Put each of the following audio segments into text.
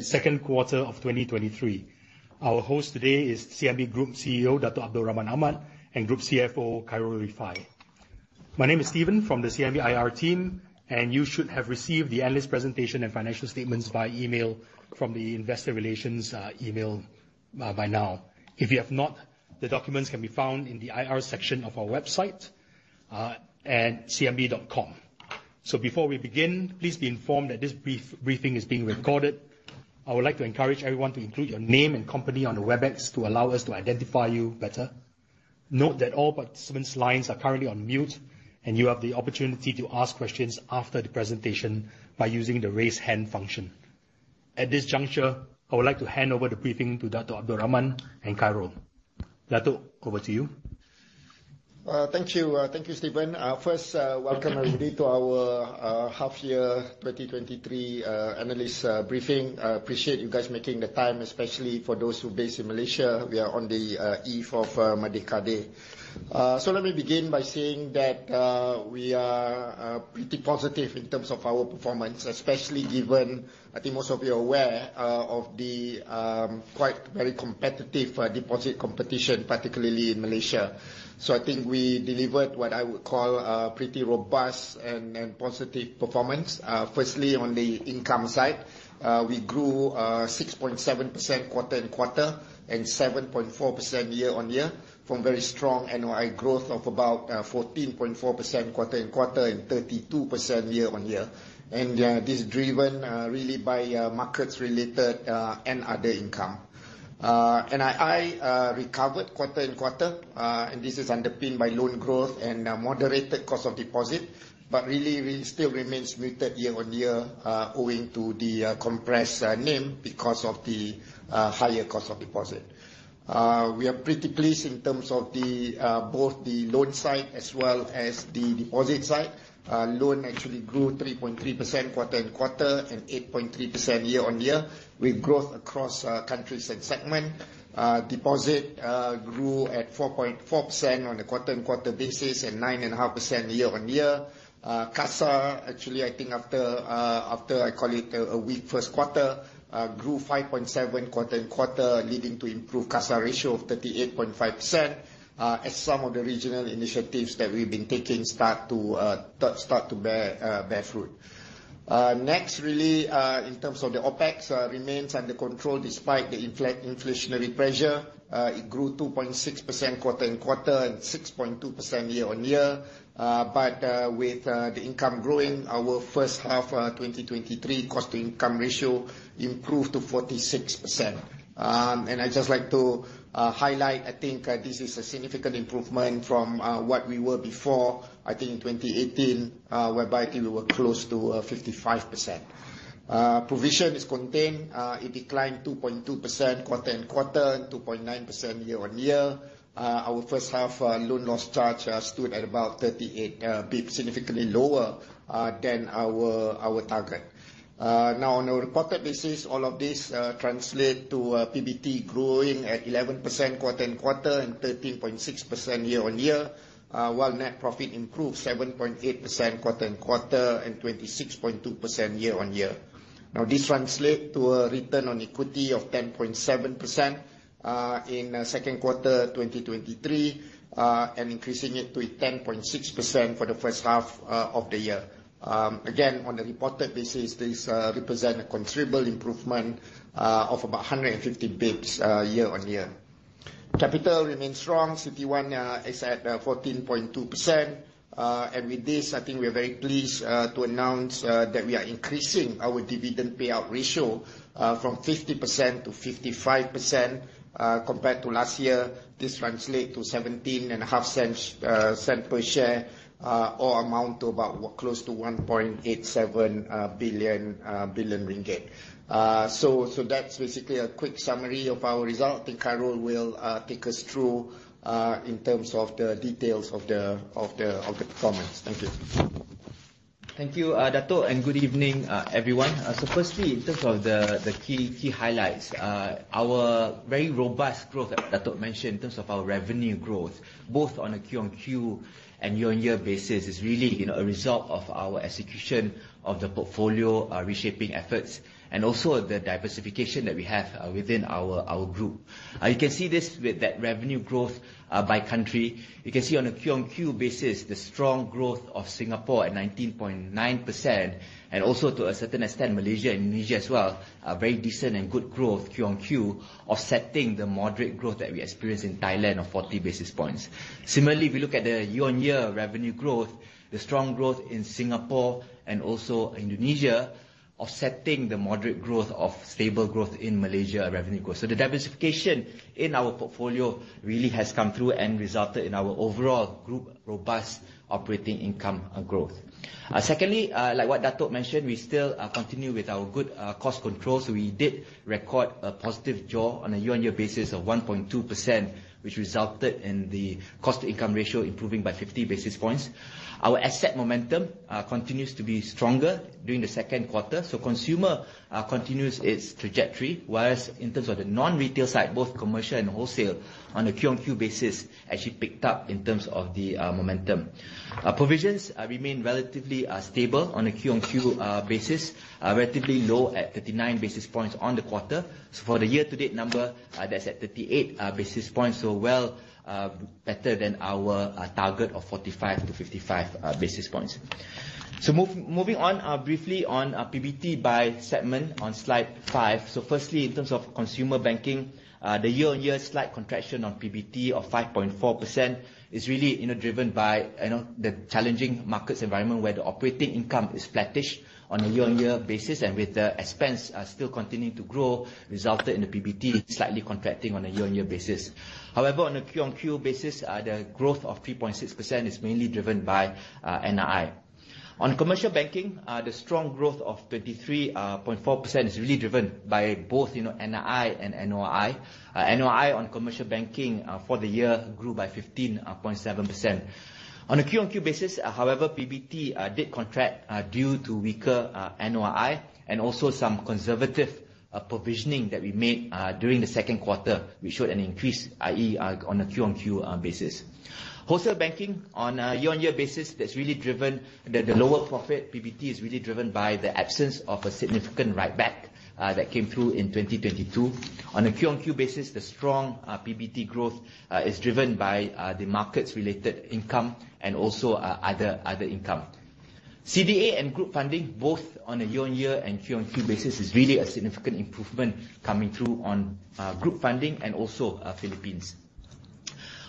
Second quarter of 2023. Our host today is CIMB Group CEO, Dato' Abdul Rahman Ahmad, and Group CFO, Khairul Rifaie. My name is Steven from the CIMB IR team, and you should have received the analyst presentation and financial statements via email from the investor relations email by now. If you have not, the documents can be found in the IR section of our website, cimb.com. Before we begin, please be informed that this briefing is being recorded. I would like to encourage everyone to include your name and company on the Webex to allow us to identify you better. Note that all participants' lines are currently on mute, and you have the opportunity to ask questions after the presentation by using the raise hand function. At this juncture, I would like to hand over the briefing to Dato' Abdul Rahman and Khairul. Dato', over to you. Thank you, Steven. First, welcome, everybody, to our half year 2023 analyst briefing. I appreciate you guys making the time, especially for those who based in Malaysia, we are on the eve of Merdeka Day. Let me begin by saying that we are pretty positive in terms of our performance, especially given, I think most of you are aware, of the very competitive deposit competition, particularly in Malaysia. I think we delivered what I would call a pretty robust and positive performance. Firstly, on the income side, we grew 6.7% quarter-on-quarter and 7.4% year-on-year from very strong NOI growth of about 14.4% quarter-on-quarter and 32% year-on-year. This is driven really by markets related and other income. NII recovered quarter-on-quarter, this is underpinned by loan growth and moderated cost of deposit but really still remains muted year-on-year owing to the compressed NIM because of the higher cost of deposit. We are pretty pleased in terms of both the loan side as well as the deposit side. Loan actually grew 3.3% quarter-on-quarter and 8.3% year-on-year with growth across countries and segment. Deposit grew at 4.4% on a quarter-on-quarter basis and 9.5% year-on-year. CASA, actually, I think after, I call it a weak first quarter, grew 5.7 quarter-on-quarter, leading to improved CASA ratio of 38.5% as some of the regional initiatives that we've been taking start to bear fruit. Next, really, in terms of the OpEx, remains under control despite the inflationary pressure. It grew 2.6% quarter-on-quarter and 6.2% year-on-year. With the income growing, our first half 2023 cost-to-income ratio improved to 46%. I'd just like to highlight, I think this is a significant improvement from what we were before, I think in 2018, whereby I think we were close to 55%. Provision is contained. It declined 2.2% quarter-on-quarter and 2.9% year-on-year. Our first half loan loss charge stood at about 38, significantly lower than our target. On a reported basis, all of this translate to PBT growing at 11% quarter-on-quarter and 13.6% year-on-year, while net profit improved 7.8% quarter-on-quarter and 26.2% year-on-year. This translate to a return on equity of 10.7% in second quarter 2023, and increasing it to 10.6% for the first half of the year. On a reported basis, this represent a considerable improvement of about 150 basis points year-on-year. Capital remains strong. CET1 is at 14.2%. With this, I think we are very pleased to announce that we are increasing our dividend payout ratio from 50% to 55% compared to last year. This translate to 0.175 per share or amount to about close to 1.87 billion. That's basically a quick summary of our result. I think Khairul will take us through in terms of the details of the performance. Thank you. Thank you, Dato', and good evening, everyone. Firstly, in terms of the key highlights, our very robust growth that Dato' mentioned in terms of our revenue growth, both on a Q on Q and year-on-year basis is really a result of our execution of the portfolio reshaping efforts and also the diversification that we have within our group. You can see this with that revenue growth by country. You can see on a Q on Q basis, the strong growth of Singapore at 19.9%, and also to a certain extent, Malaysia and Indonesia as well, very decent and good growth Q on Q, offsetting the moderate growth that we experienced in Thailand of 40 basis points. Similarly, if we look at the year-on-year revenue growth, the strong growth in Singapore and also Indonesia offsetting the moderate growth of stable growth in Malaysia revenue growth. The diversification in our portfolio really has come through and resulted in our overall group robust operating income growth. Secondly, like what Dato' mentioned, we still continue with our good cost control. We did record a positive JAWS on a year-on-year basis of 1.2%, which resulted in the cost-to-income ratio improving by 50 basis points. Our asset momentum continues to be stronger during the second quarter. Consumer continues its trajectory, whereas in terms of the non-retail side, both commercial and wholesale on a Q on Q basis actually picked up in terms of the momentum. Provisions remain relatively stable on a Q on Q basis, relatively low at 39 basis points on the quarter. For the year to date number, that's at 38 basis points, well better than our target of 45 to 55 basis points. Moving on briefly on PBT by segment on slide five. Firstly, in terms of consumer banking, the year-on-year slight contraction on PBT of 5.4% is really driven by the challenging markets environment where the operating income is flattish on a year-on-year basis, and with the expense still continuing to grow, resulted in the PBT slightly contracting on a year-on-year basis. However, on a Q-on-Q basis, the growth of 3.6% is mainly driven by NII. On commercial banking, the strong growth of 33.4% is really driven by both NII and NOI. NOI on commercial banking for the year grew by 15.7%. On a Q-on-Q basis, however, PBT did contract due to weaker NOI and also some conservative provisioning that we made during the second quarter, which showed an increase, i.e., on a Q-on-Q basis. Wholesale banking on a year-on-year basis, the lower profit PBT is really driven by the absence of a significant write-back that came through in 2022. On a quarter-on-quarter basis, the strong PBT growth is driven by the markets-related income and also other income. CDA and group funding, both on a year-on-year and quarter-on-quarter basis, is really a significant improvement coming through on group funding and also Philippines.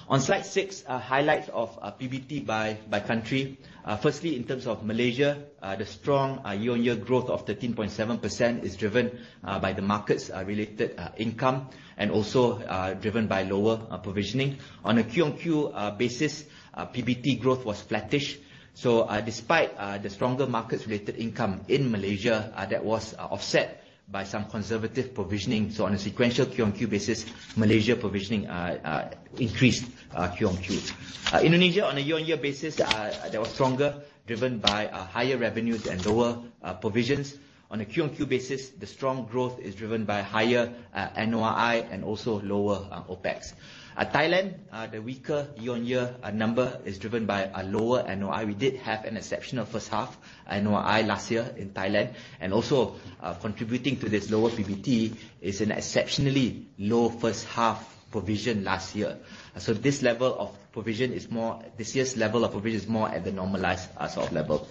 On slide six, highlights of PBT by country. Firstly, in terms of Malaysia, the strong year-on-year growth of 13.7% is driven by the markets-related income and also driven by lower provisioning. On a quarter-on-quarter basis, PBT growth was flattish. Despite the stronger markets-related income in Malaysia, that was offset by some conservative provisioning. On a sequential quarter-on-quarter basis, Malaysia provisioning increased quarter-on-quarter. Indonesia, on a year-on-year basis, that was stronger, driven by higher revenues and lower provisions. On a quarter-on-quarter basis, the strong growth is driven by higher NOI and also lower OpEx. Thailand, the weaker year-on-year number is driven by a lower NOI. We did have an exceptional first half NOI last year in Thailand. Also contributing to this lower PBT is an exceptionally low first half provision last year. This year's level of provision is more at the normalized sort of level.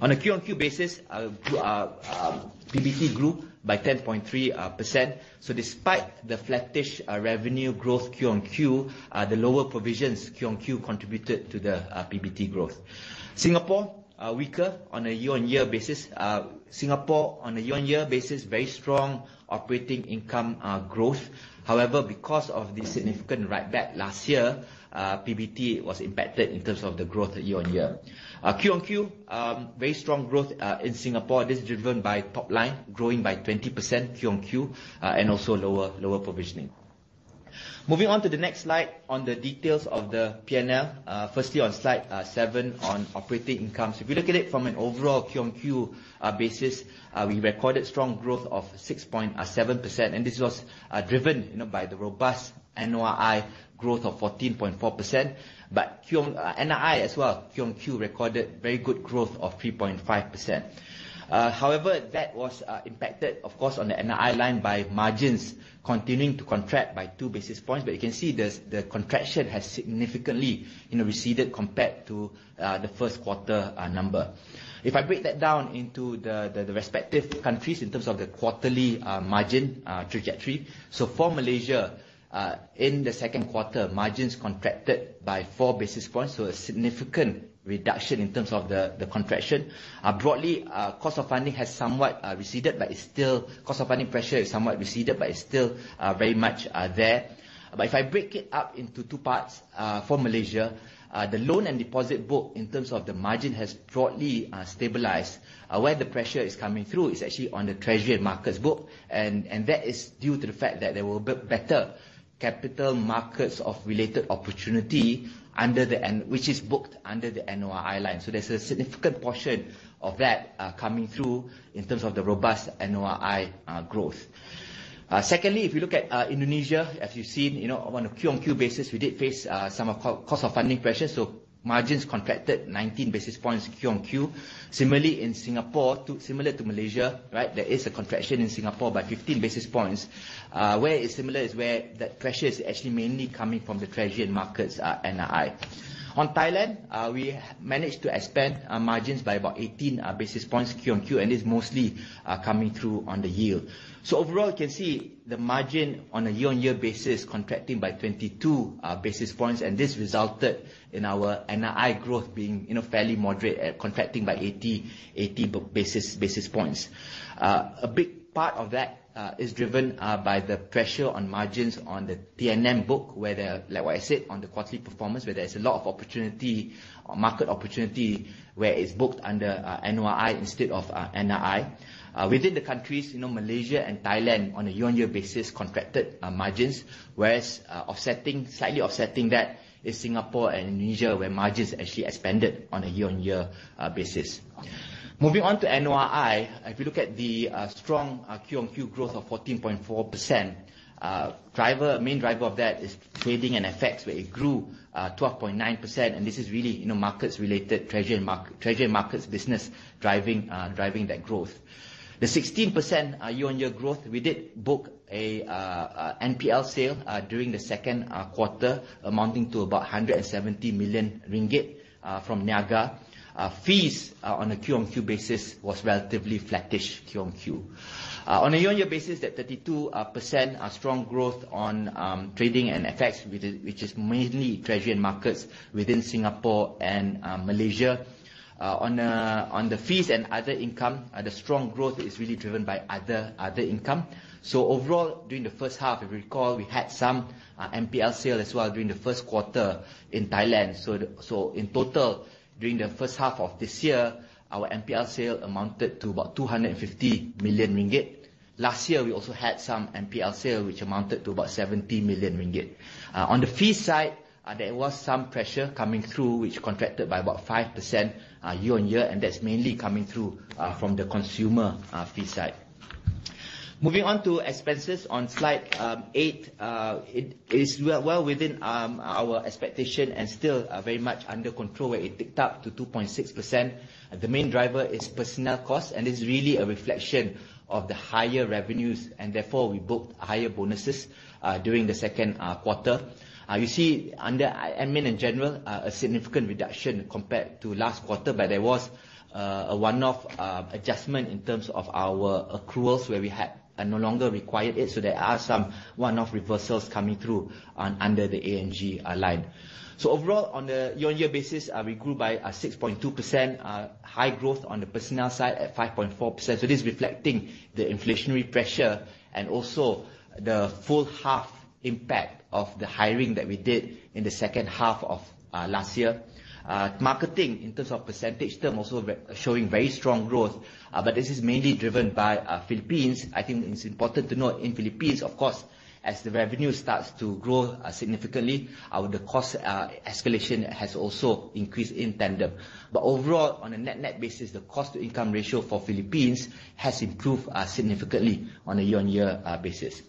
On a quarter-on-quarter basis, PBT grew by 10.3%. Despite the flattish revenue growth quarter-on-quarter, the lower provisions quarter-on-quarter contributed to the PBT growth. Singapore, weaker on a year-on-year basis. Singapore, on a year-on-year basis, very strong operating income growth. However, because of the significant write-back last year, PBT was impacted in terms of the growth year-on-year. Quarter-on-quarter, very strong growth in Singapore. This is driven by top line growing by 20% quarter-on-quarter and also lower provisioning. Moving on to the next slide on the details of the P&L. Firstly, on slide seven on operating income. If you look at it from an overall quarter-on-quarter basis, we recorded strong growth of 6.7%, and this was driven by the robust NOI growth of 14.4%. NII as well, quarter-on-quarter, recorded very good growth of 3.5%. However, that was impacted, of course, on the NII line by margins continuing to contract by two basis points. You can see the contraction has significantly receded compared to the first quarter number. If I break that down into the respective countries in terms of the quarterly margin trajectory. For Malaysia, in the second quarter, margins contracted by four basis points, a significant reduction in terms of the contraction. Broadly, cost of funding pressure has somewhat receded, but it is still very much there. If I break it up into two parts for Malaysia, the loan and deposit book in terms of the margin has broadly stabilized. Where the pressure is coming through is actually on the treasury and markets book, and that is due to the fact that there were better capital markets of related opportunity, which is booked under the NOI line. There is a significant portion of that coming through in terms of the robust NOI growth. Secondly, if you look at Indonesia, as you have seen, on a quarter-on-quarter basis, we did face some cost of funding pressure, margins contracted 19 basis points quarter-on-quarter. Similarly, in Singapore, similar to Malaysia, there is a contraction in Singapore by 15 basis points. Where it is similar is where the pressure is actually mainly coming from the treasury and markets NII. On Thailand, we managed to expand our margins by about 18 basis points Q-on-Q, and it's mostly coming through on the yield. Overall, you can see the margin on a year-on-year basis contracting by 22 basis points, and this resulted in our NOI growth being fairly moderate, contracting by 80 basis points. A big part of that is driven by the pressure on margins on the PNN book, like what I said, on the quarterly performance, where there's a lot of market opportunity where it's booked under NOI instead of NII. Within the countries, Malaysia and Thailand on a year-on-year basis contracted margins, whereas slightly offsetting that is Singapore and Indonesia where margins actually expanded on a year-on-year basis. Moving on to NOI. If you look at the strong QOQ growth of 14.4%, main driver of that is trading and FX, where it grew, 12.9%. This is really markets related, treasury markets business driving that growth. The 16% year-on-year growth, we did book a NPL sale during the second quarter, amounting to about 170 million ringgit from Niaga. Fees on a QOQ basis was relatively flattish QOQ. On a year-on-year basis, that 32% strong growth on trading and FX, which is mainly treasury and markets within Singapore and Malaysia. On the fees and other income, the strong growth is really driven by other income. Overall, during the first half, if you recall, we had some NPL sale as well during the first quarter in Thailand. In total, during the first half of this year, our NPL sale amounted to about 250 million ringgit. Last year, we also had some NPL sale, which amounted to about 70 million ringgit. On the fee side, there was some pressure coming through, which contracted by about 5% year-on-year, and that's mainly coming through from the consumer fee side. Moving on to expenses on slide eight. It is well within our expectation and still very much under control, where it ticked up to 2.6%. The main driver is personnel cost, and it's really a reflection of the higher revenues, and therefore, we booked higher bonuses during the second quarter. You see under admin in general, a significant reduction compared to last quarter, but there was a one-off adjustment in terms of our accruals, where we had no longer required it. There are some one-off reversals coming through under the A&G line. Overall, on the year-on-year basis, we grew by 6.2%, high growth on the personnel side at 5.4%. It is reflecting the inflationary pressure and also the full half impact of the hiring that we did in the second half of last year. Marketing, in terms of percentage, also showing very strong growth. This is mainly driven by Philippines. I think it's important to note in Philippines, of course, as the revenue starts to grow significantly, the cost escalation has also increased in tandem. Overall, on a net basis, the cost-to-income ratio for Philippines has improved significantly on a year-on-year basis.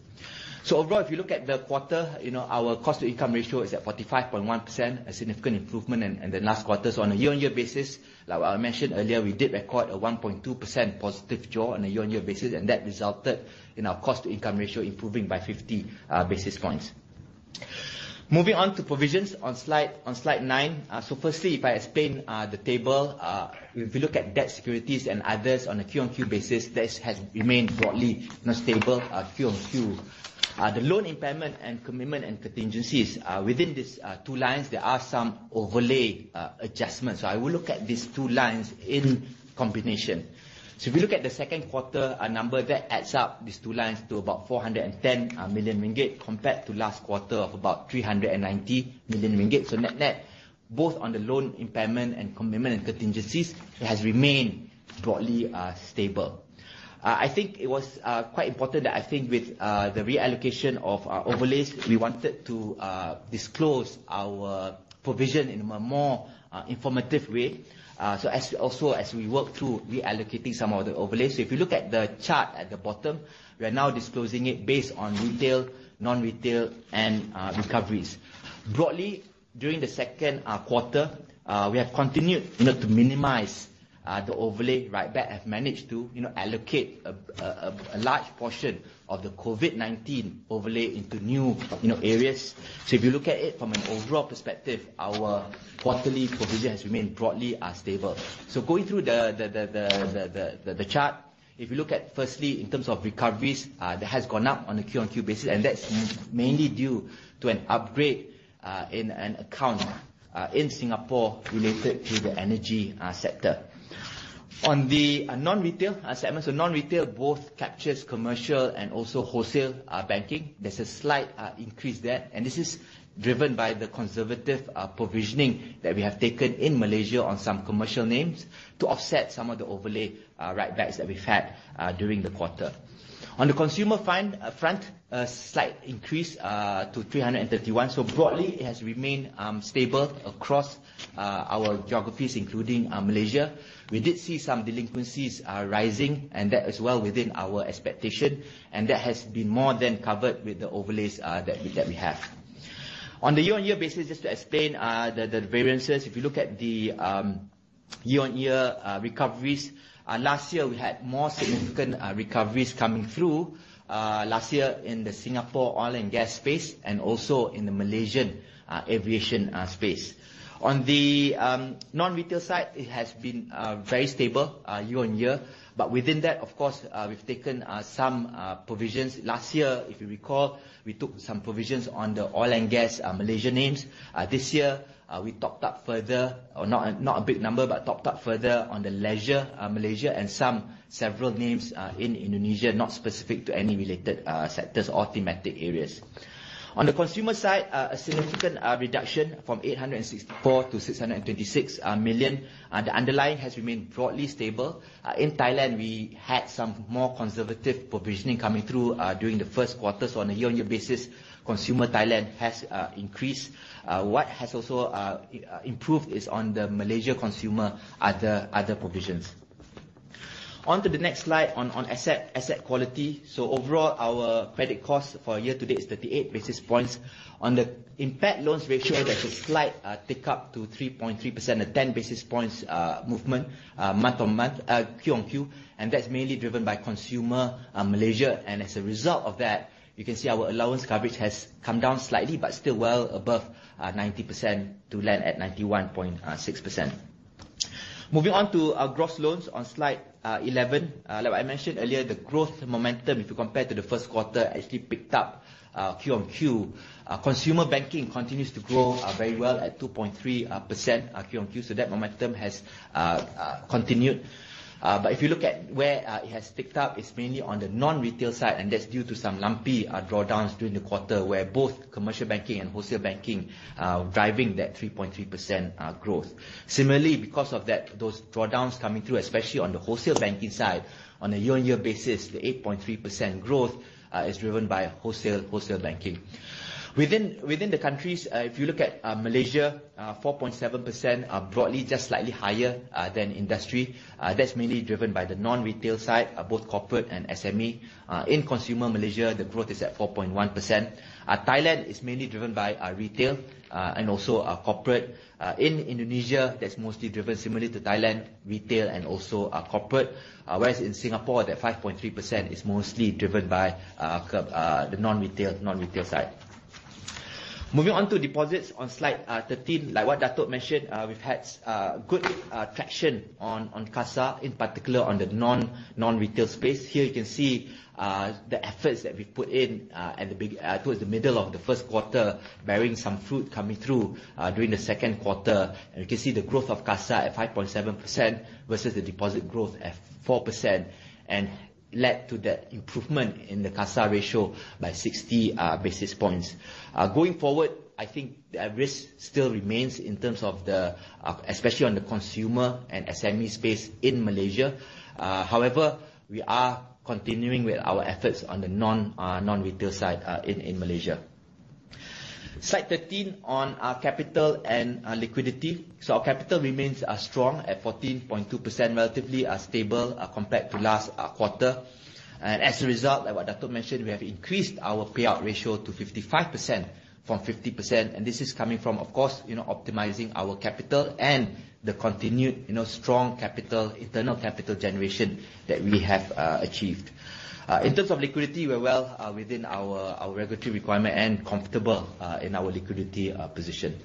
Overall, if you look at the quarter, our cost-to-income ratio is at 45.1%, a significant improvement in the last quarter. On a year-on-year basis, like what I mentioned earlier, we did record a 1.2% positive draw on a year-on-year basis, and that resulted in our cost-to-income ratio improving by 50 basis points. Moving on to provisions on slide nine. Firstly, if I explain the table, if you look at debt securities and others on a QOQ basis, this has remained broadly stable QOQ. The loan impairment and commitment and contingencies are within these two lines, there are some overlay adjustments. I will look at these two lines in combination. If you look at the second quarter number, that adds up, these two lines, to about 410 million ringgit compared to last quarter of about 390 million ringgit. Net, both on the loan impairment and commitment and contingencies, it has remained broadly stable. I think it was quite important that with the reallocation of our overlays, we wanted to disclose our provision in a more informative way. Also, as we work through reallocating some of the overlays, if you look at the chart at the bottom, we are now disclosing it based on retail, non-retail, and recoveries. Broadly, during the second quarter, we have continued to minimize the overlay write back. Have managed to allocate a large portion of the COVID-19 overlay into new areas. If you look at it from an overall perspective, our quarterly provision has remained broadly stable. Going through the chart, if you look at firstly, in terms of recoveries, that has gone up on a QOQ basis, and that's mainly due to an upgrade in an account in Singapore related to the energy sector. On the non-retail segment, non-retail both captures commercial and also wholesale banking. There's a slight increase there, and this is driven by the conservative provisioning that we have taken in Malaysia on some commercial names to offset some of the overlay write backs that we've had during the quarter. On the consumer front, a slight increase to 331. Broadly, it has remained stable across our geographies, including Malaysia. We did see some delinquencies rising, and that is well within our expectation, and that has been more than covered with the overlays that we have. On the year-on-year basis, just to explain the variances. If you look at the year-on-year recoveries, last year, we had more significant recoveries coming through last year in the Singapore oil and gas space and also in the Malaysian aviation space. On the non-retail side, it has been very stable year-on-year. Within that, of course, we've taken some provisions. Last year, if you recall, we took some provisions on the oil and gas Malaysia names. This year, we topped up further, or not a big number, but topped up further on the leisure, Malaysia, and some several names in Indonesia, not specific to any related sectors or thematic areas. On the consumer side, a significant reduction from 864 million to 626 million. The underlying has remained broadly stable. In Thailand, we had some more conservative provisioning coming through during the first quarter. On a year-on-year basis, consumer Thailand has increased. What has also improved is on the Malaysia consumer other provisions. On to the next slide, on asset quality. Overall, our credit cost for year-to-date is 38 basis points. On the impaired loans ratio, there's a slight tick up to 3.3% or 10 basis points movement QOQ, and that's mainly driven by consumer Malaysia. As a result of that, you can see our allowance coverage has come down slightly, but still well above 90% to land at 91.6%. Moving on to our gross loans on slide 11. Like I mentioned earlier, the growth momentum, if you compare to the first quarter, actually picked up Q on Q. Consumer banking continues to grow very well at 2.3% Q on Q, that momentum has continued. If you look at where it has picked up, it's mainly on the non-retail side, and that's due to some lumpy drawdowns during the quarter, where both commercial banking and wholesale banking are driving that 3.3% growth. Similarly, because of those drawdowns coming through, especially on the wholesale banking side, on a year-on-year basis, the 8.3% growth is driven by wholesale banking. Within the countries, if you look at Malaysia, 4.7% broadly, just slightly higher than industry. That's mainly driven by the non-retail side, both corporate and SME. In consumer Malaysia, the growth is at 4.1%. Thailand is mainly driven by retail, and also corporate. In Indonesia, that's mostly driven similarly to Thailand, retail, and also corporate. Whereas in Singapore, that 5.3% is mostly driven by the non-retail side. Moving on to deposits on slide 13. Like what Dato' mentioned, we've had good traction on CASA, in particular on the non-retail space. Here you can see the efforts that we've put in towards the middle of the first quarter, bearing some fruit coming through during the second quarter. You can see the growth of CASA at 5.7% versus the deposit growth at 4%, and led to that improvement in the CASA ratio by 60 basis points. Going forward, I think the risk still remains, especially on the consumer and SME space in Malaysia. However, we are continuing with our efforts on the non-retail side in Malaysia. Slide 15 on our capital and liquidity. Our capital remains strong at 14.2%, relatively stable compared to last quarter. As a result, like what Dato' mentioned, we have increased our payout ratio to 55% from 50%, and this is coming from, of course, optimizing our capital and the continued strong internal capital generation that we have achieved. In terms of liquidity, we're well within our regulatory requirement and comfortable in our liquidity position.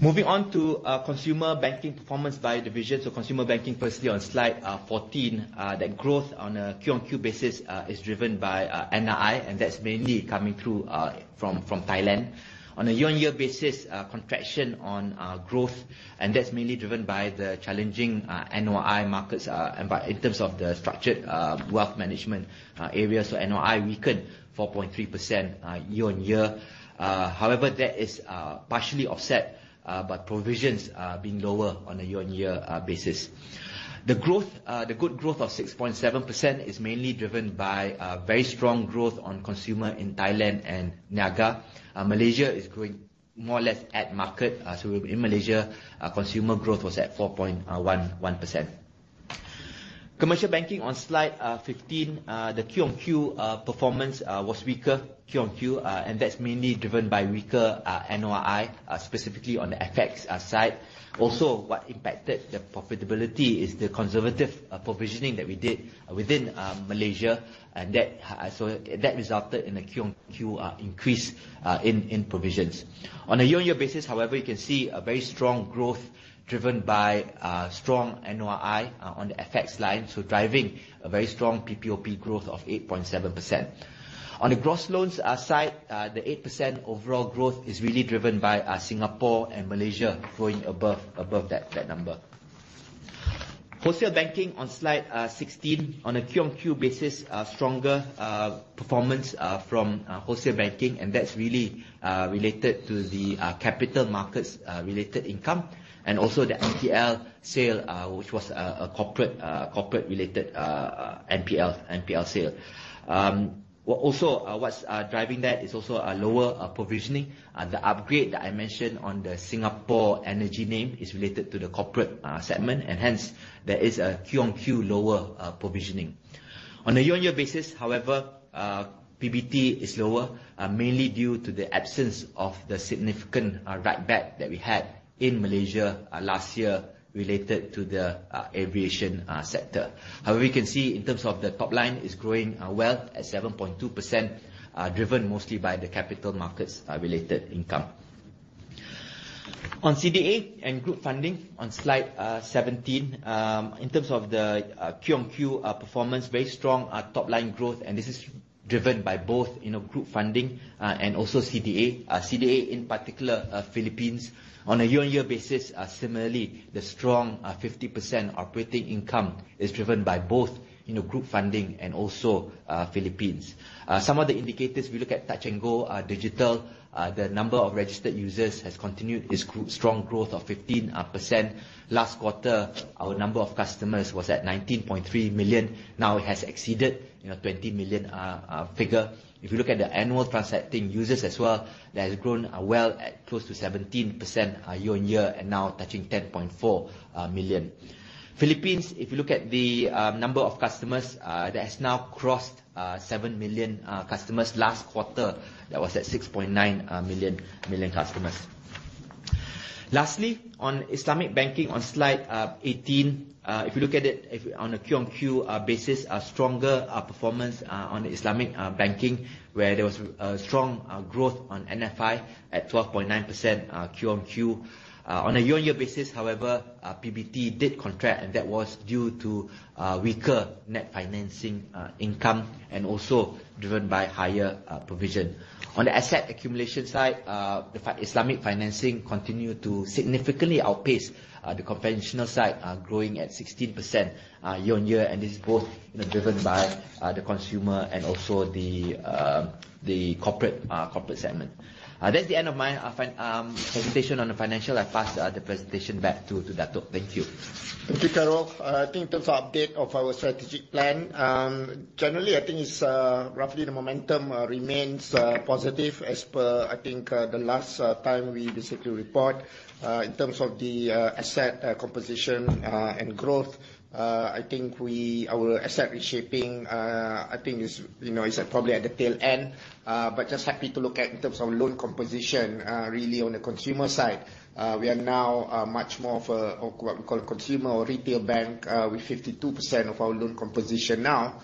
Moving on to consumer banking performance by division. Consumer banking firstly on slide 14, that growth on a Q on Q basis is driven by NII, that's mainly coming through from Thailand. On a year-on-year basis, contraction on growth, and that's mainly driven by the challenging NOI markets in terms of the structured wealth management areas. NOI weakened 4.3% year-on-year. However, that is partially offset by provisions being lower on a year-on-year basis. The good growth of 6.7% is mainly driven by very strong growth on consumer in Thailand and Niaga. Malaysia is growing more or less at market. In Malaysia, consumer growth was at 4.11%. Commercial banking on slide 15. The Q on Q performance was weaker Q on Q, that's mainly driven by weaker NOI, specifically on the FX side. Also, what impacted the profitability is the conservative provisioning that we did within Malaysia. That resulted in a Q on Q increase in provisions. On a year-on-year basis, however, you can see a very strong growth driven by strong NOI on the FX line, driving a very strong PPOP growth of 8.7%. On the gross loans side, the 8% overall growth is really driven by Singapore and Malaysia growing above that number. Wholesale banking on slide 16. On a Q on Q basis, stronger performance from wholesale banking, and that's really related to the capital markets related income, and also the NPL sale, which was a corporate related NPL sale. Also, what's driving that is also a lower provisioning. The upgrade that I mentioned on the Singapore energy name is related to the corporate segment, and hence, there is a Q on Q lower provisioning. On a year-over-year basis, however, PBT is lower, mainly due to the absence of the significant write-back that we had in Malaysia last year related to the aviation sector. However, we can see in terms of the top line is growing well at 7.2%, driven mostly by the capital markets related income. On CDA and group funding on slide 17. In terms of the Q on Q performance, very strong top-line growth, and this is driven by both group funding and also CDA. CDA in particular, Philippines. On a year-over-year basis, similarly, the strong 50% operating income is driven by both group funding and also Philippines. Some of the indicators, we look at Touch 'n Go digital. The number of registered users has continued its strong growth of 15%. Last quarter, our number of customers was at 19.3 million. Now it has exceeded 20 million figure. If you look at the annual transacting users as well, that has grown well at close to 17% year-over-year and now touching 10.4 million. Philippines, if you look at the number of customers, that has now crossed 7 million customers. Last quarter, that was at 6.9 million customers. Lastly, on Islamic banking on slide 18, if you look at it on a Q on Q basis, a stronger performance on Islamic banking, where there was a strong growth on NFI at 12.9% Q on Q. On a year-over-year basis, however, PBT did contract, and that was due to weaker net financing income and also driven by higher provision. On the asset accumulation side, the Islamic financing continued to significantly outpace the conventional side, growing at 16% year-over-year. This is both driven by the consumer and also the corporate segment. That's the end of my presentation on the financial. I pass the presentation back to Dato'. Thank you. Thank you, Kharol. I think in terms of update of our strategic plan, generally, I think it's roughly the momentum remains positive as per, I think, the last time we basically report. In terms of the asset composition and growth, I think our asset reshaping, I think it's probably at the tail end. Just happy to look at in terms of loan composition, really on the consumer side. We are now much more of what we call consumer or retail bank, with 52% of our loan composition now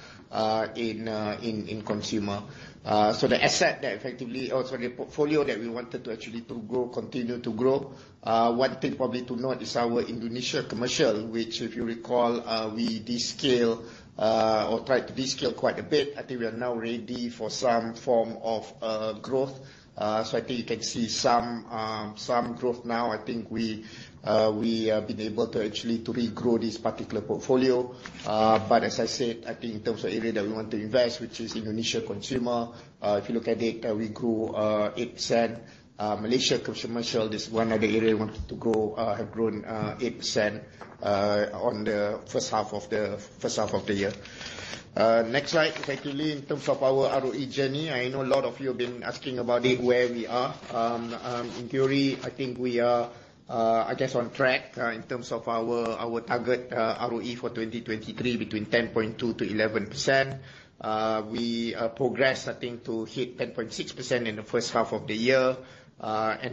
in consumer. The asset that effectively also the portfolio that we wanted to actually to continue to grow. One thing probably to note is our Indonesia commercial, which if you recall, we descale or tried to descale quite a bit. I think we are now ready for some form of growth. I think you can see some growth now. I think we have been able to actually to regrow this particular portfolio. As I said, I think in terms of area that we want to invest, which is Indonesia consumer, if you look at it, we grew 8%. Malaysia commercial, there is one other area we wanted to grow, have grown 8% on the first half of the year. Next slide, effectively, in terms of our ROE journey, I know a lot of you have been asking about it, where we are. In theory, I think we are, I guess, on track in terms of our target ROE for 2023 between 10.2%-11%. We progress, I think, to hit 10.6% in the first half of the year.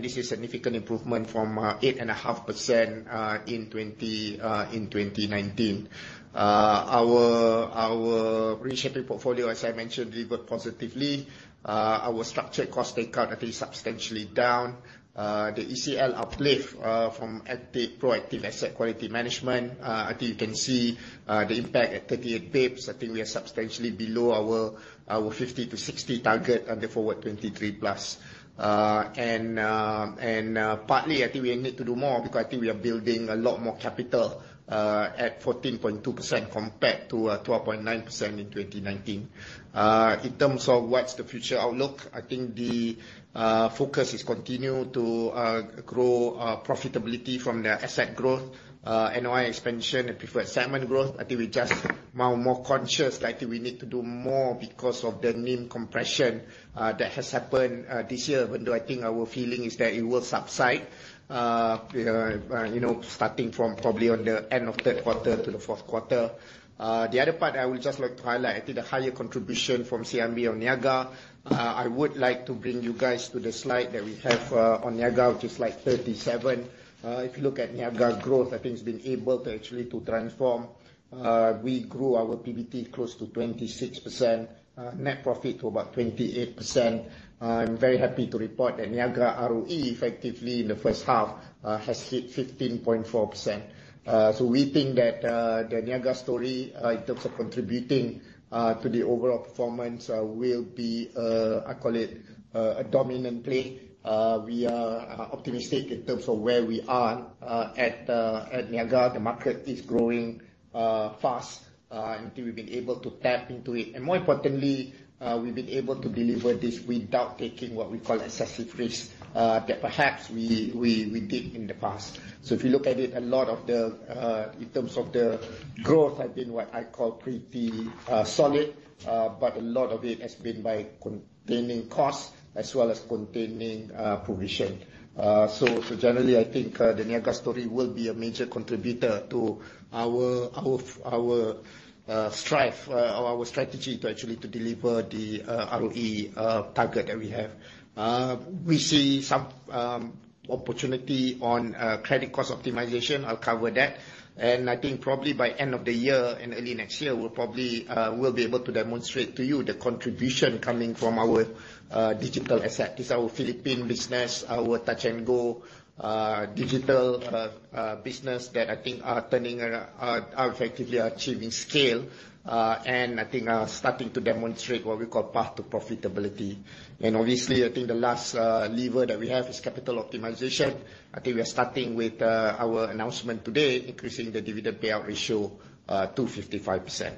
This is significant improvement from 8.5% in 2019. Our reshaping portfolio, as I mentioned, delivered positively. Our structured cost takeout, I think, substantially down. The ECL uplift from active proactive asset quality management, I think you can see the impact at 38 basis points. I think we are substantially below our 50-60 target on the Forward23+. Partly, I think we need to do more because I think we are building a lot more capital at 14.2% compared to 12.9% in 2019. In terms of what's the future outlook, I think the focus is continue to grow profitability from the asset growth, NOI expansion, and preferred segment growth. I think we're just now more conscious. I think we need to do more because of the NIM compression that has happened this year, although I think our feeling is that it will subside starting from probably on the end of third quarter to the fourth quarter. The other part I would just like to highlight, I think the higher contribution from CIMB Niaga, I would like to bring you guys to the slide that we have on Niaga, which is slide 37. If you look at Niaga growth, I think it's been able to actually to transform. We grew our PBT close to 26%, net profit to about 28%. I'm very happy to report that Niaga ROE effectively in the first half has hit 15.4%. We think that the Niaga story, in terms of contributing to the overall performance, will be, I call it, a dominant play. We are optimistic in terms of where we are at Niaga. The market is growing fast, and we've been able to tap into it. More importantly, we've been able to deliver this without taking what we call excessive risk, that perhaps we did in the past. If you look at it, a lot of the, in terms of the growth, have been what I call pretty solid, but a lot of it has been by containing costs as well as containing provision. Generally, I think the Niaga story will be a major contributor to our strategy to actually to deliver the ROE target that we have. We see some opportunity on credit cost optimization. I'll cover that. I think probably by end of the year and early next year, we'll be able to demonstrate to you the contribution coming from our digital asset. It's our Philippine business, our Touch 'n Go digital business that I think are effectively achieving scale, and I think are starting to demonstrate what we call path to profitability. Obviously, I think the last lever that we have is capital optimization. I think we are starting with our announcement today, increasing the dividend payout ratio to 55%.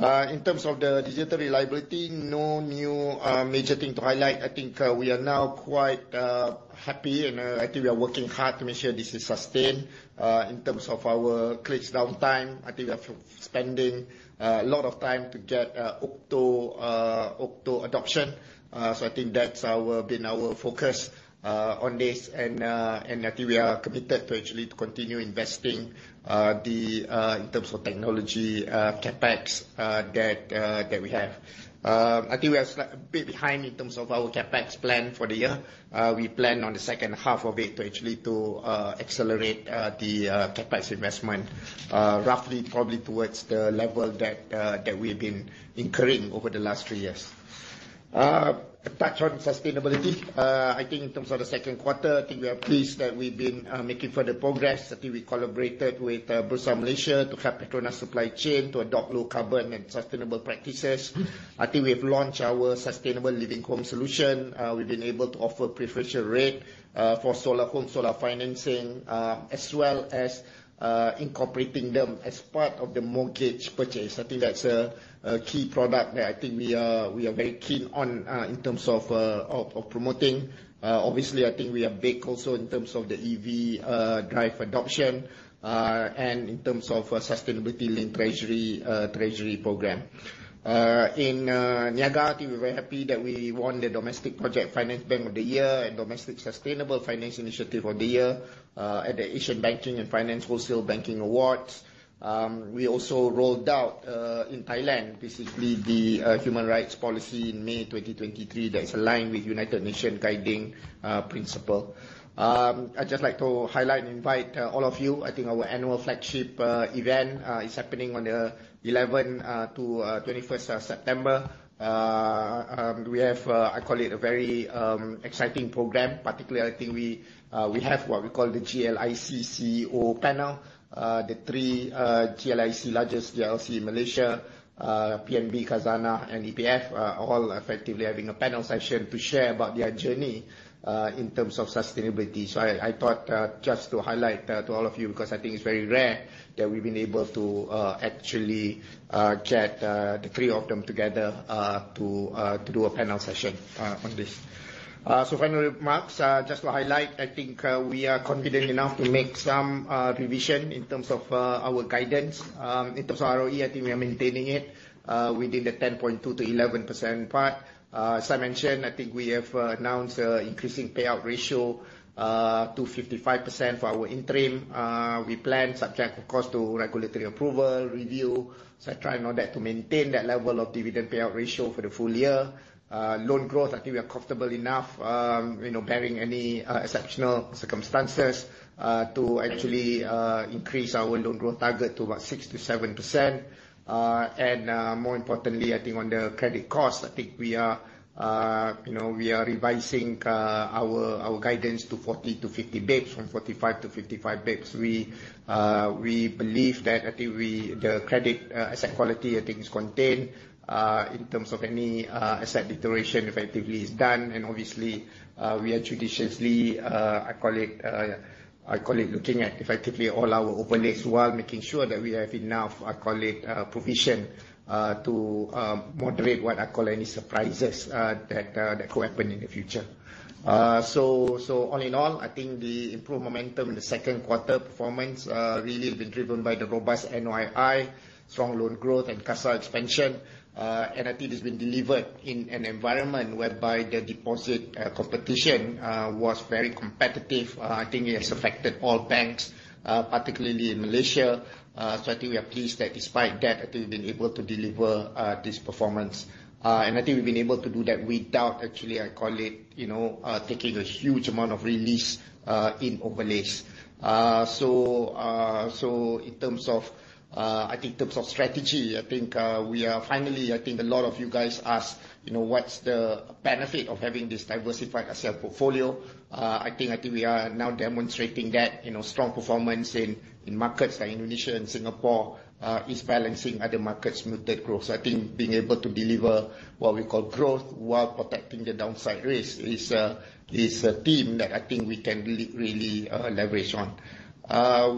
In terms of the digital reliability, no new major thing to highlight. I think we are now quite happy, and I think we are working hard to make sure this is sustained. In terms of our CIMB Clicks downtime, I think we are spending a lot of time to get CIMB OCTO adoption. I think that's been our focus on this, and I think we are committed to actually continue investing in terms of technology CapEx that we have. I think we are a bit behind in terms of our CapEx plan for the year. We plan on the second half of it to actually accelerate the CapEx investment, roughly probably towards the level that we've been incurring over the last three years. A touch on sustainability. I think in terms of the second quarter, I think we are pleased that we've been making further progress. I think we collaborated with Bursa Malaysia to help Petronas supply chain to adopt low carbon and sustainable practices. I think we have launched our sustainable living home solution. We've been able to offer preferential rate for solar home, solar financing, as well as incorporating them as part of the mortgage purchase. I think that's a key product that I think we are very keen on in terms of promoting. Obviously, I think we are big also in terms of the EV drive adoption, and in terms of sustainability-linked treasury program. In CIMB Niaga, I think we're very happy that we won the Domestic Project Finance Bank of the Year and Domestic Sustainable Finance Initiative of the Year, at the Asian Banking & Finance Wholesale Banking Awards. We also rolled out, in Thailand, basically the human rights policy in May 2023 that is aligned with United Nations guiding principle. I'd just like to highlight and invite all of you, I think our annual flagship event is happening on the 11th to 21st of September. We have, I call it, a very exciting program. Particularly, I think we have what we call the GLIC CEO panel, the three largest GLIC in Malaysia, PNB, Khazanah, and EPF, are all effectively having a panel session to share about their journey, in terms of sustainability. I thought just to highlight to all of you, because I think it's very rare that we've been able to actually get the three of them together to do a panel session on this. Final remarks, just to highlight, I think we are confident enough to make some revision in terms of our guidance. In terms of ROE, I think we are maintaining it within the 10.2%-11% part. As I mentioned, I think we have announced increasing payout ratio to 55% for our interim. We plan subject, of course, to regulatory approval review. I try and audit to maintain that level of dividend payout ratio for the full year. Loan growth, I think we are comfortable enough, bearing any exceptional circumstances, to actually increase our loan growth target to about 6%-7%. More importantly, I think on the credit cost, I think we are revising our guidance to 40 to 50 basis points from 45 to 55 basis points. We believe that, I think the credit asset quality, I think, is contained in terms of any asset deterioration effectively is done. Obviously, we are judiciously, I call it, looking at effectively all our overlays while making sure that we have enough, I call it, provision, to moderate what I call any surprises that could happen in the future. All in all, I think the improved momentum in the second quarter performance really has been driven by the robust NII, strong loan growth, and CASA expansion. I think it's been delivered in an environment whereby the deposit competition was very competitive. I think it has affected all banks, particularly in Malaysia. I think we are pleased that despite that, I think we've been able to deliver this performance. I think we've been able to do that without actually, I call it, taking a huge amount of release in overlays. I think in terms of strategy, I think we are finally, I think a lot of you guys ask, what's the benefit of having this diversified asset portfolio? I think we are now demonstrating that, strong performance in markets like Indonesia and Singapore, is balancing other markets' muted growth. I think being able to deliver what we call growth while protecting the downside risk is a theme that I think we can really leverage on.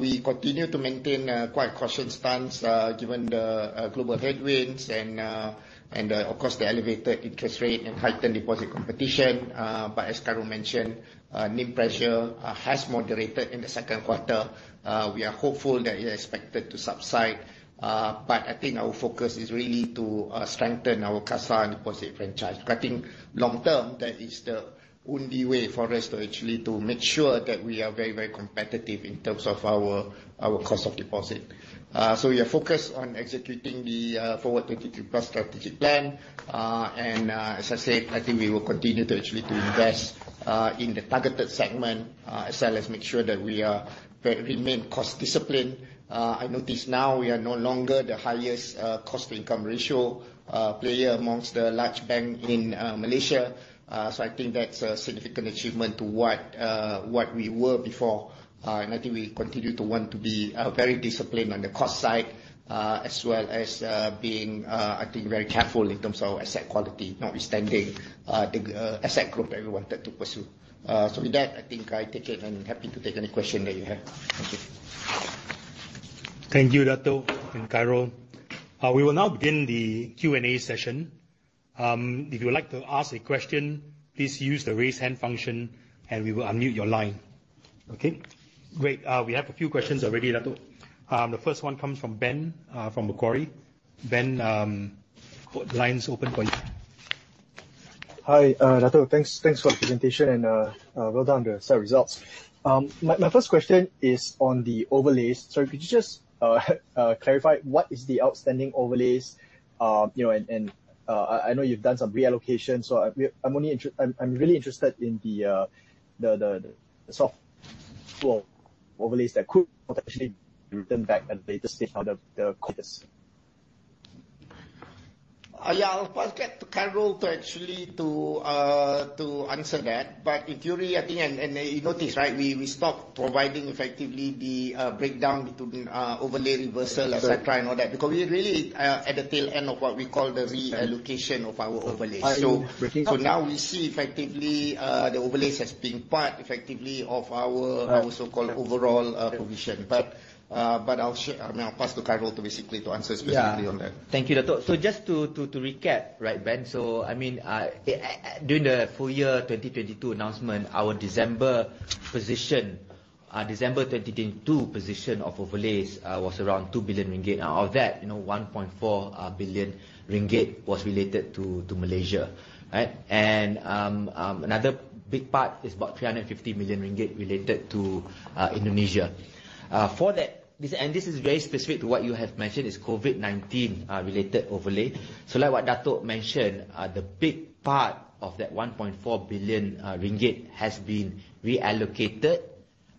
We continue to maintain a quite cautious stance, given the global headwinds and, of course, the elevated interest rate and heightened deposit competition. As Cairo mentioned, NIM pressure has moderated in the second quarter. We are hopeful that it is expected to subside. But I think our focus is really to strengthen our CASA and deposit franchise. Because I think long-term, that is the only way for us to actually make sure that we are very, very competitive in terms of our cost of deposit. We are focused on executing the Forward23+ strategic plan. As I said, I think we will continue to actually invest in the targeted segment, as well as make sure that we remain cost discipline. I notice now we are no longer the highest cost-to-income ratio player amongst the large bank in Malaysia. I think that's a significant achievement to what we were before. I think we continue to want to be very disciplined on the cost side, as well as being, I think, very careful in terms of asset quality, notwithstanding the asset group that we wanted to pursue. With that, I think I take it, and I'm happy to take any question that you have. Thank you. Thank you, Dato' and Cairo. We will now begin the Q&A session. If you would like to ask a question, please use the raise hand function, and we will unmute your line. Okay, great. We have a few questions already, Dato'. The first one comes from Ben, from Macquarie. Ben, the line's open for you. Hi, Dato'. Thanks for the presentation. Well done on the set of results. My first question is on the overlays. Could you just clarify what is the outstanding overlays? I know you've done some reallocation, so I'm really interested in the soft overlays that could potentially be written back at a later stage on the COVID. Yeah. I'll pass that to Khairul to actually answer that. In theory, I think, you noticed, we stopped providing, effectively, the breakdown between overlay reversal, et cetera, and all that because we're really at the tail end of what we call the reallocation of our overlays. I see. We see, effectively, the overlays as being part, effectively, of our so-called overall position. I'll pass to Khairul to basically answer specifically on that. Thank you, Dato'. Just to recap, right, Ben, during the full year 2022 announcement, our December 2022 position of overlays was around 2 billion ringgit. Of that, 1.4 billion ringgit was related to Malaysia. Right? Another big part is about 350 million ringgit related to Indonesia. For that, and this is very specific to what you have mentioned, is COVID-19 related overlay. Like what Dato' mentioned, the big part of that 1.4 billion ringgit has been reallocated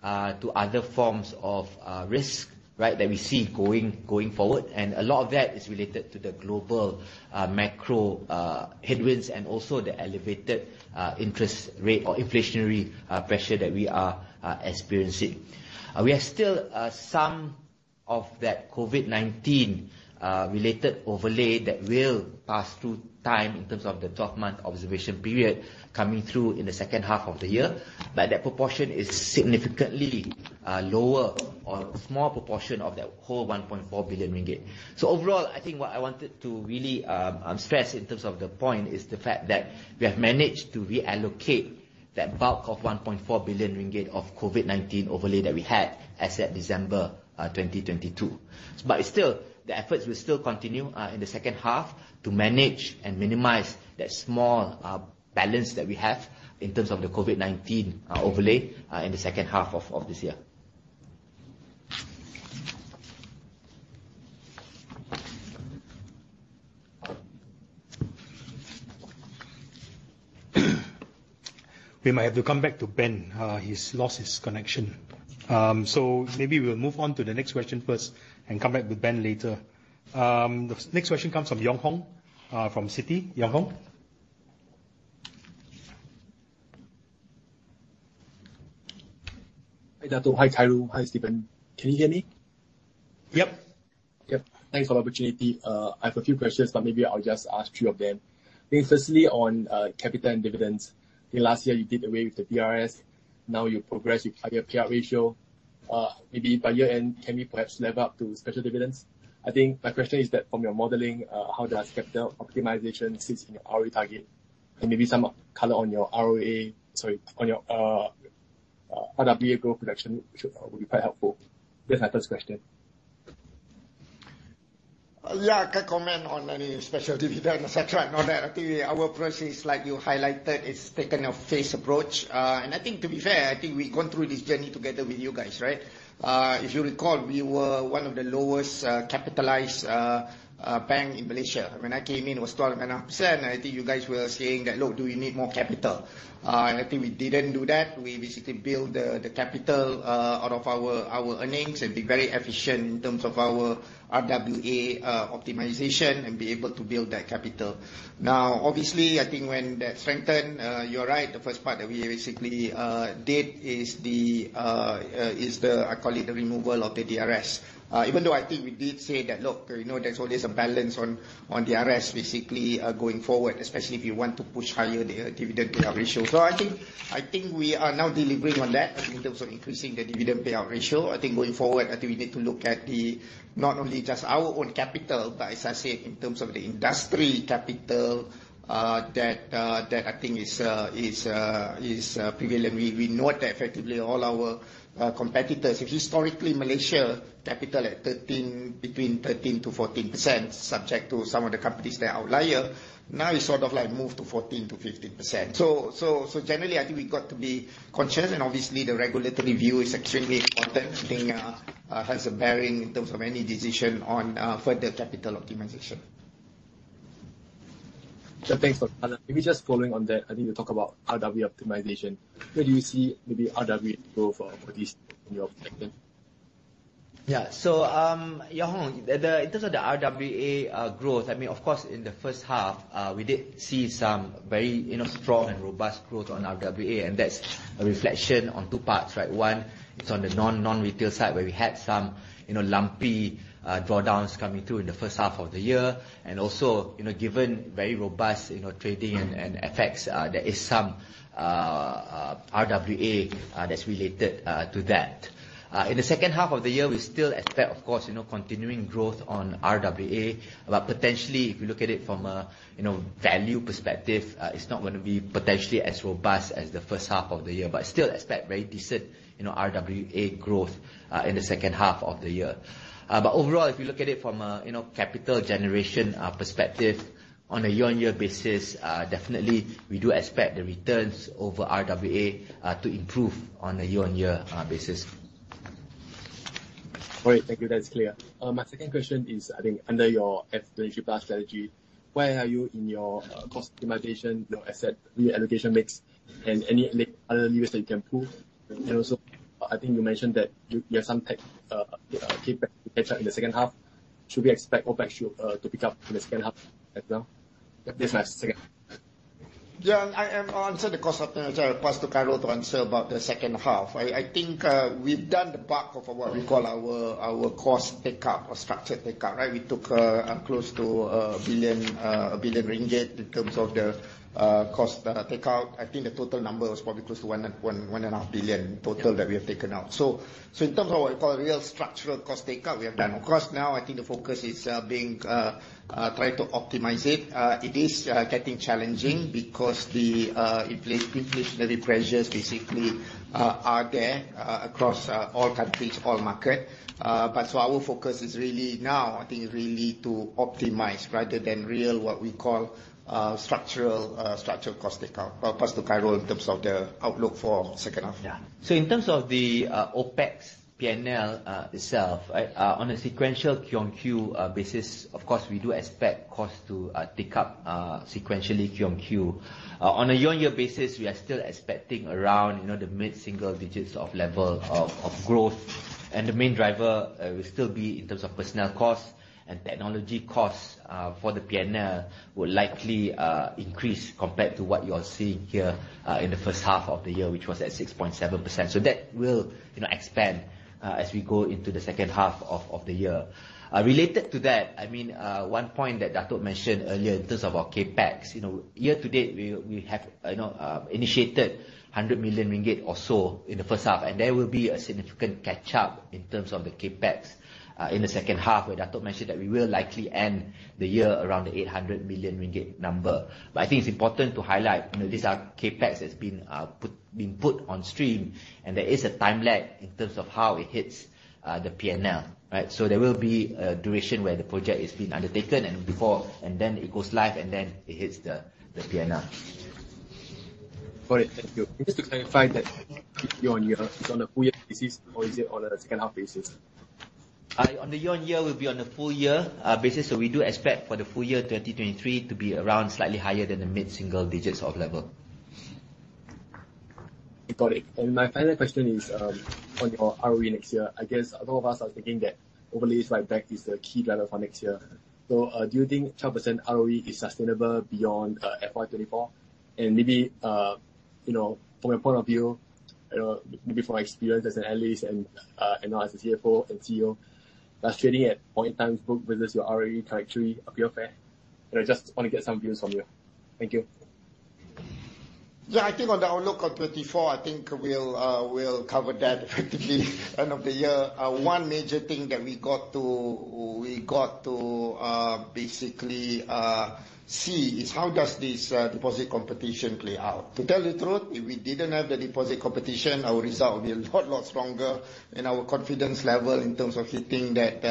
to other forms of risk, right, that we see going forward. A lot of that is related to the global macro headwinds and also the elevated interest rate or inflationary pressure that we are experiencing. We are still some of that COVID-19 related overlay that will pass through time in terms of the 12-month observation period coming through in the second half of the year. That proportion is significantly lower, or a small proportion of that whole 1.4 billion ringgit. Overall, I think what I wanted to really stress in terms of the point is the fact that we have managed to reallocate that bulk of 1.4 billion ringgit of COVID-19 overlay that we had as at December 2022. The efforts will still continue, in the second half to manage and minimize that small balance that we have in terms of the COVID-19 overlay in the second half of this year. We might have to come back to Ben. He's lost his connection. Maybe we'll move on to the next question first and come back to Ben later. The next question comes from Yong Hong, from Citi. Yong Hong. Hi, Dato'. Hi, Khairul. Hi, Steven. Can you hear me? Yep. Yep. Thanks for the opportunity. Maybe I'll just ask two of them. Firstly, on capital and dividends. Last year you did away with the DRS. Now you progress with higher payout ratio. Maybe by year-end, can we perhaps level up to special dividends? My question is that from your modeling, how does capital optimization sits in your ROE target and maybe some color on your RWA growth direction would be quite helpful. That's my first question. Yeah, I can't comment on any special dividend, et cetera, and all that. Our approach is, like you highlighted, it's taken a phase approach. To be fair, we've gone through this journey together with you guys, right? If you recall, we were one of the lowest capitalized bank in Malaysia. When I came in, it was 12.5%. You guys were saying that, "Look, do we need more capital?" We didn't do that. We basically build the capital out of our earnings and be very efficient in terms of our RWA optimization and be able to build that capital. Obviously, when that strengthened, you're right, the first part that we basically did is the, I call it the removal of the DRS. Even though we did say that, "Look, there's always a balance on DRS, basically, going forward, especially if you want to push higher the dividend payout ratio." We are now delivering on that in terms of increasing the dividend payout ratio. Going forward, we need to look at not only just our own capital, but as I said, in terms of the industry capital, that is prevalent. We note that effectively all our competitors, historically Malaysia capital between 13%-14%, subject to some of the companies that are outlier, now it sort of moved to 14%-15%. Generally, we got to be conscious, and obviously the regulatory view is extremely important. Has a bearing in terms of any decision on further capital optimization. Sure. Thanks for the color. Maybe just following on that, I think you talked about RWA optimization. Where do you see maybe RWA growth for this in your perspective? Yeah. Yong Hong, in terms of the RWA growth, of course, in the first half, we did see some very strong and robust growth on RWA, and that is a reflection on two parts, right? One, it is on the non-retail side, where we had some lumpy drawdowns coming through in the first half of the year. Also, given very robust trading and FX, there is some RWA that is related to that. In the second half of the year, we still expect, of course, continuing growth on RWA, but potentially, if you look at it from a value perspective, it is not going to be potentially as robust as the first half of the year, but still expect very decent RWA growth in the second half of the year. Overall, if you look at it from a capital generation perspective, on a year-on-year basis, definitely, we do expect the returns over RWA to improve on a year-on-year basis. All right. Thank you. That is clear. My second question is, I think under your Forward23+ strategy, where are you in your cost optimization, your asset reallocation mix, and any other levers that you can pull? Also, I think you mentioned that you have some CapEx to catch up in the second half. Should we expect OpEx to pick up in the second half as well? That is my second. Yeah, I am on the cost optimization. I'll pass to Khairul to answer about the second half. I think, we've done the bulk of what we call our cost take-up or structured take-up, right? We took close to 1 billion in terms of the cost take-out. I think the total number was probably close to 1.5 billion total that we have taken out. In terms of what we call real structural cost take-out, we have done. Of course, now I think the focus is being, try to optimize it. It is getting challenging because the inflationary pressures basically are there across all countries, all markets. Our focus is really now, I think really to optimize rather than real, what we call, structural cost take-out. I'll pass to Khairul in terms of the outlook for second half. In terms of the OpEx P&L itself, on a sequential Q on Q basis, of course, we do expect cost to tick up sequentially Q on Q. On a year-on-year basis, we are still expecting around the mid-single digits of level of growth. The main driver will still be in terms of personnel costs and technology costs, for the P&L will likely increase compared to what you're seeing here in the first half of the year, which was at 6.7%. That will expand as we go into the second half of the year. Related to that, one point that Dato' mentioned earlier in terms of our CapEx, year-to-date, we have initiated 100 million ringgit or so in the first half. There will be a significant catch-up in terms of the CapEx in the second half where Dato' mentioned that we will likely end the year around the 800 million ringgit number. I think it's important to highlight, these are CapEx that's been put on stream, and there is a time lag in terms of how it hits the P&L, right? There will be a duration where the project is being undertaken and before, and then it goes live, and then it hits the P&L. Got it. Thank you. Just to clarify that year-on-year, it's on a full year basis or is it on a second half basis? On the year on year, it will be on a full year basis. We do expect for the full year 2023 to be around slightly higher than the mid-single digits of level. Got it. My final question is on your ROE next year. I guess a lot of us are thinking that overlays write-back is the key driver for next year. Do you think 12% ROE is sustainable beyond FY 2024? Maybe, from your point of view, maybe from your experience as an Analyst and now as a CFO and CEO, illustrating at point in time versus your ROE trajectory of your fair. I just want to get some views from you. Thank you. I think on the outlook on 2024, I think we'll cover that effectively end of the year. One major thing that we got to basically see is how does this deposit competition play out. To tell you the truth, if we didn't have the deposit competition, our result would be a lot stronger, and our confidence level in terms of hitting that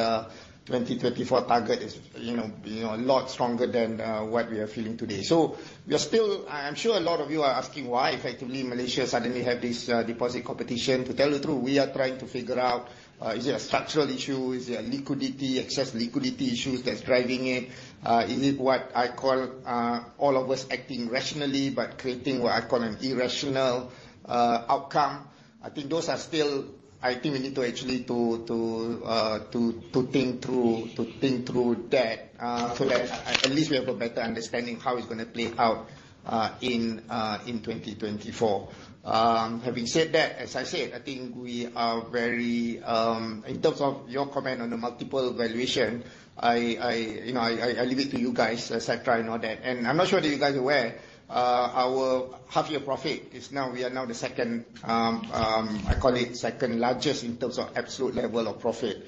2024 target is a lot stronger than what we are feeling today. I'm sure a lot of you are asking why effectively Malaysia suddenly have this deposit competition. To tell you the truth, we are trying to figure out, is it a structural issue? Is it excess liquidity issue that's driving it? Is it what I call all of us acting rationally but creating what I call an irrational outcome? I think we need to actually think through that at least we have a better understanding how it's going to play out, in 2024. Having said that, as I said, I think we are very, in terms of your comment on the multiple valuation, I leave it to you guys, et cetera, and all that. I'm not sure that you guys are aware, our half year profit, we are now the second, I call it second largest in terms of absolute level of profit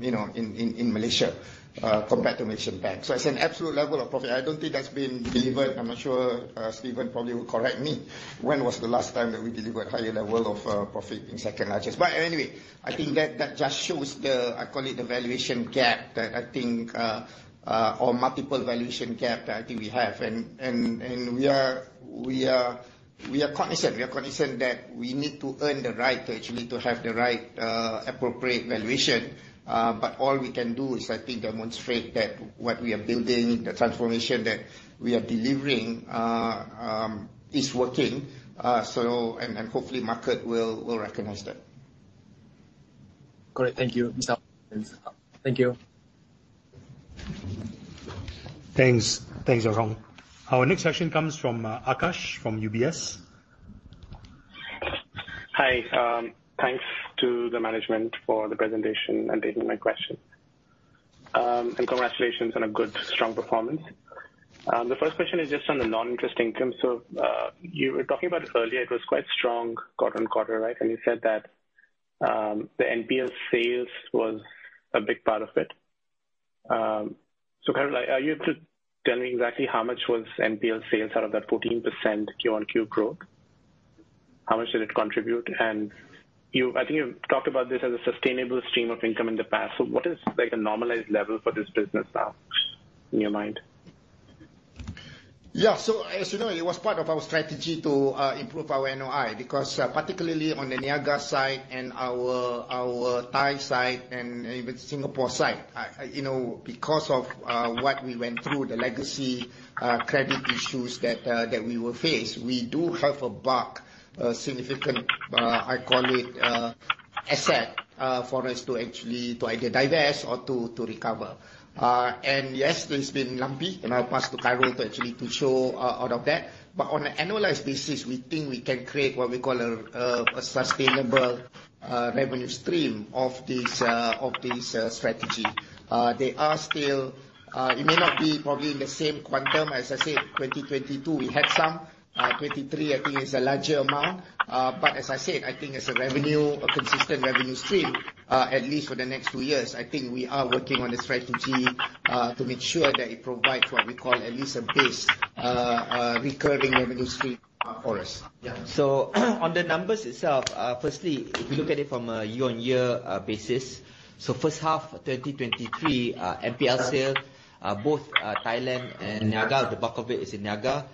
in Malaysia, compared to Malaysian banks. It's an absolute level of profit. I don't think that's been delivered. I'm not sure, Steven probably will correct me, when was the last time that we delivered higher level of profit in second largest. Anyway, I think that just shows the, I call it the valuation gap, or multiple valuation gap that I think we have. We are cognizant that we need to earn the right to actually to have the right, appropriate valuation. All we can do is, I think, demonstrate that what we are building, the transformation that we are delivering, is working. Hopefully, market will recognize that. Got it. Thank you. Thanks. Thank you. Thanks. Thanks, Zurhong. Our next question comes from Aakash from UBS. Hi, thanks to the management for the presentation and taking my question. Congratulations on a good, strong performance. The first question is just on the non-interest income. You were talking about it earlier. It was quite strong Q-on-Q, right? You said that, the NPL sales was a big part of it. Kind of like, are you able to tell me exactly how much was NPL sales out of that 14% Q-on-Q growth? How much did it contribute? I think you've talked about this as a sustainable stream of income in the past. What is like a normalized level for this business now in your mind? Yeah. As you know, it was part of our strategy to improve our NOI because, particularly on the Niaga side and our Thai side and even Singapore side, because of what we went through, the legacy credit issues that we will face, we do have a bulk, significant, I call it, asset, for us to actually to either divest or to recover. Yes, it's been lumpy, and I'll pass to Khairul to actually to show out of that. On an annualized basis, we think we can create what we call a sustainable revenue stream of this strategy. It may not be probably in the same quantum. As I said, 2022, we had some. 2023, I think, is a larger amount. As I said, I think as a consistent revenue stream, at least for the next two years, I think we are working on the strategy to make sure that it provides what we call at least a base recurring revenue stream for us. Yeah. On the numbers itself, firstly, if you look at it from a year-on-year basis, first half 2023, NPL sale, both Thailand and Niaga, the bulk of it is in Niaga.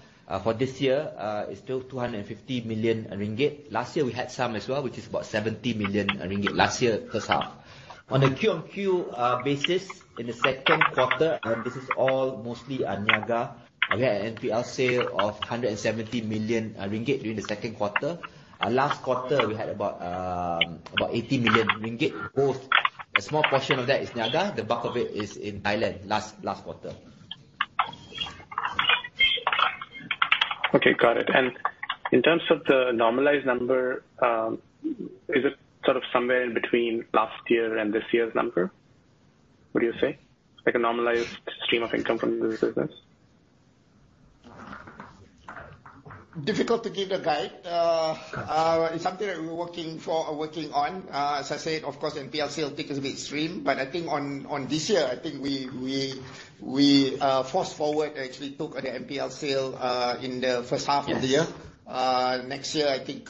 For this year, it's still 250 million ringgit. Last year, we had some as well, which is about 70 million ringgit last year, first half. On the Q-on-Q basis, in the second quarter, and this is all mostly Niaga, okay, NPL sale of 170 million ringgit during the second quarter. Last quarter, we had about 80 million ringgit, both a small portion of that is Niaga. The bulk of it is in Thailand, last quarter. Okay, got it. In terms of the normalized number, is it sort of somewhere in between last year and this year's number, would you say? Like a normalized stream of income from this business? Difficult to give the guide. Got it. It's something that we're working on. As I said, of course, NPL sale I think is a bit extreme, I think on this year, I think we forced forward, actually took the NPL sale in the first half of the year. Yes. Next year, I think,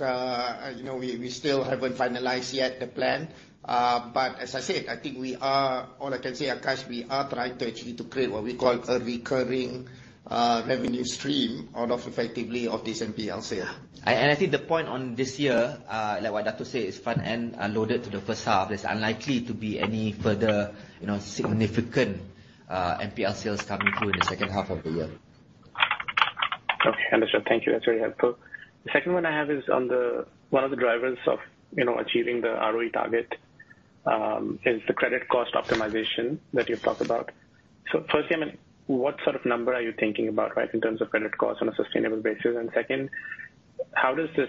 we still haven't finalized yet the plan. As I said, all I can say, Aakash, we are trying to actually to create what we call a recurring revenue stream out of effectively of this NPL sale. I think the point on this year, like what Dato' said, is front-end loaded to the first half. There's unlikely to be any further significant NPL sales coming through in the second half of the year. Okay, understood. Thank you. That's very helpful. The second one I have is on the, one of the drivers of achieving the ROE target, is the credit cost optimization that you've talked about. Firstly, I mean, what sort of number are you thinking about, right, in terms of credit cost on a sustainable basis? Second, how does this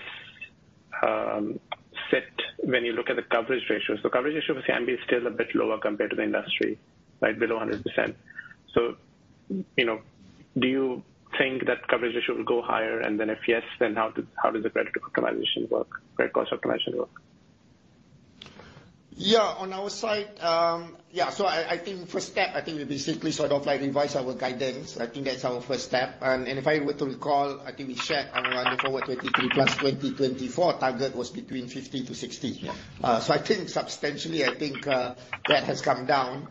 sit when you look at the coverage ratios? The coverage ratio for CIMB is still a bit lower compared to the industry, right, below 100%. Do you think that coverage ratio will go higher? If yes, how does the credit cost optimization work? Yeah, on our side, I think first step, I think we basically sort of like revise our guidance. I think that's our first step. If I were to recall, I think we shared on the Forward23+ 2024 target was between 50 to 60. Yeah. I think substantially, that has come down.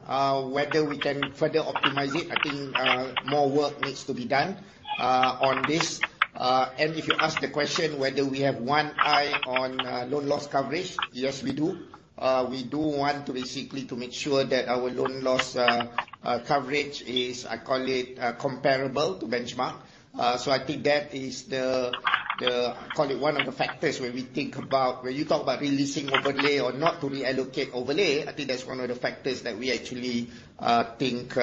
Whether we can further optimize it, more work needs to be done on this. If you ask the question whether we have one eye on loan loss coverage, yes, we do. We do want basically to make sure that our loan loss coverage is, I call it, comparable to benchmark. That is the, call it, one of the factors where you talk about releasing overlay or not to reallocate overlay, that's one of the factors that we actually think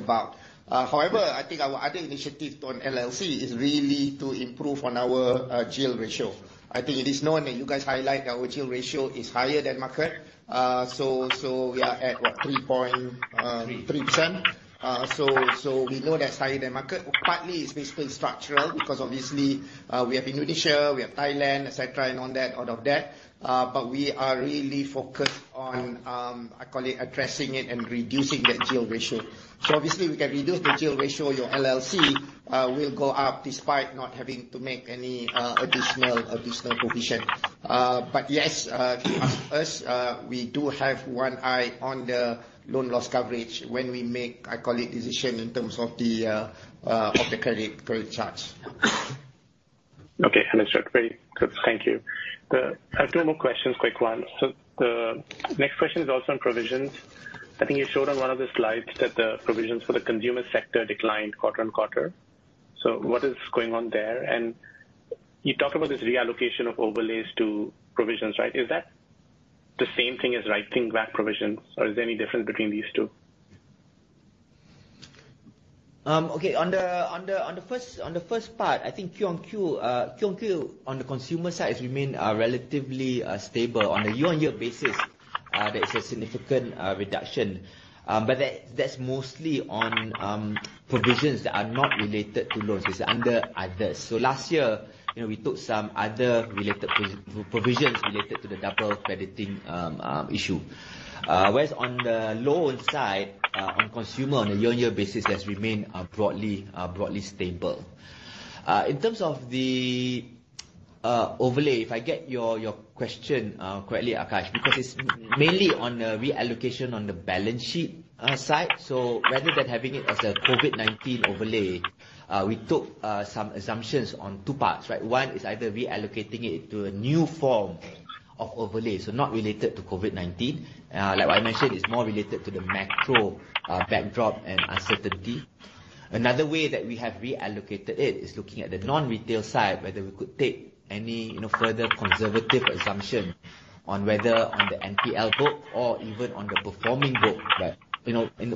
about. However, our other initiatives on LLC is really to improve on our GL ratio. It is known, and you guys highlight, our GL ratio is higher than market. We are at, what, 3.3%? Three. We know that's higher than market. Partly, it's basically structural because obviously, we have Indonesia, we have Thailand, et cetera, and all that out of that. We are really focused on, I call it, addressing it and reducing that GL ratio. Obviously, we can reduce the GL ratio, your LLC will go up despite not having to make any additional provision. Yes, if you ask us, we do have one eye on the loan loss coverage when we make, I call it, decision in terms of the credit charge. Okay, understood. Great. Good. Thank you. I have 2 more questions, quick one. The next question is also on provisions. You showed on one of the slides that the provisions for the consumer sector declined quarter-on-quarter. What is going on there? You talked about this reallocation of overlays to provisions, right? Is that the same thing as writing back provisions, or is there any difference between these 2? Okay. On the first part, Q-on-Q, on the consumer side, has remained relatively stable. On a year-on-year basis, there is a significant reduction. That's mostly on provisions that are not related to loans. It's under others. Last year, we took some other related provisions related to the double crediting issue. Whereas on the loan side, on consumer on a year-on-year basis has remained broadly stable. In terms of the overlay, if I get your question correctly, Aakash, because it's mainly on the reallocation on the balance sheet side. Rather than having it as a COVID-19 overlay, we took some assumptions on 2 parts. One is either reallocating it to a new form of overlay, not related to COVID-19. Like what I mentioned, it's more related to the macro backdrop and uncertainty. Another way that we have reallocated it is looking at the non-retail side, whether we could take any further conservative assumption on whether on the NPL book or even on the performing book,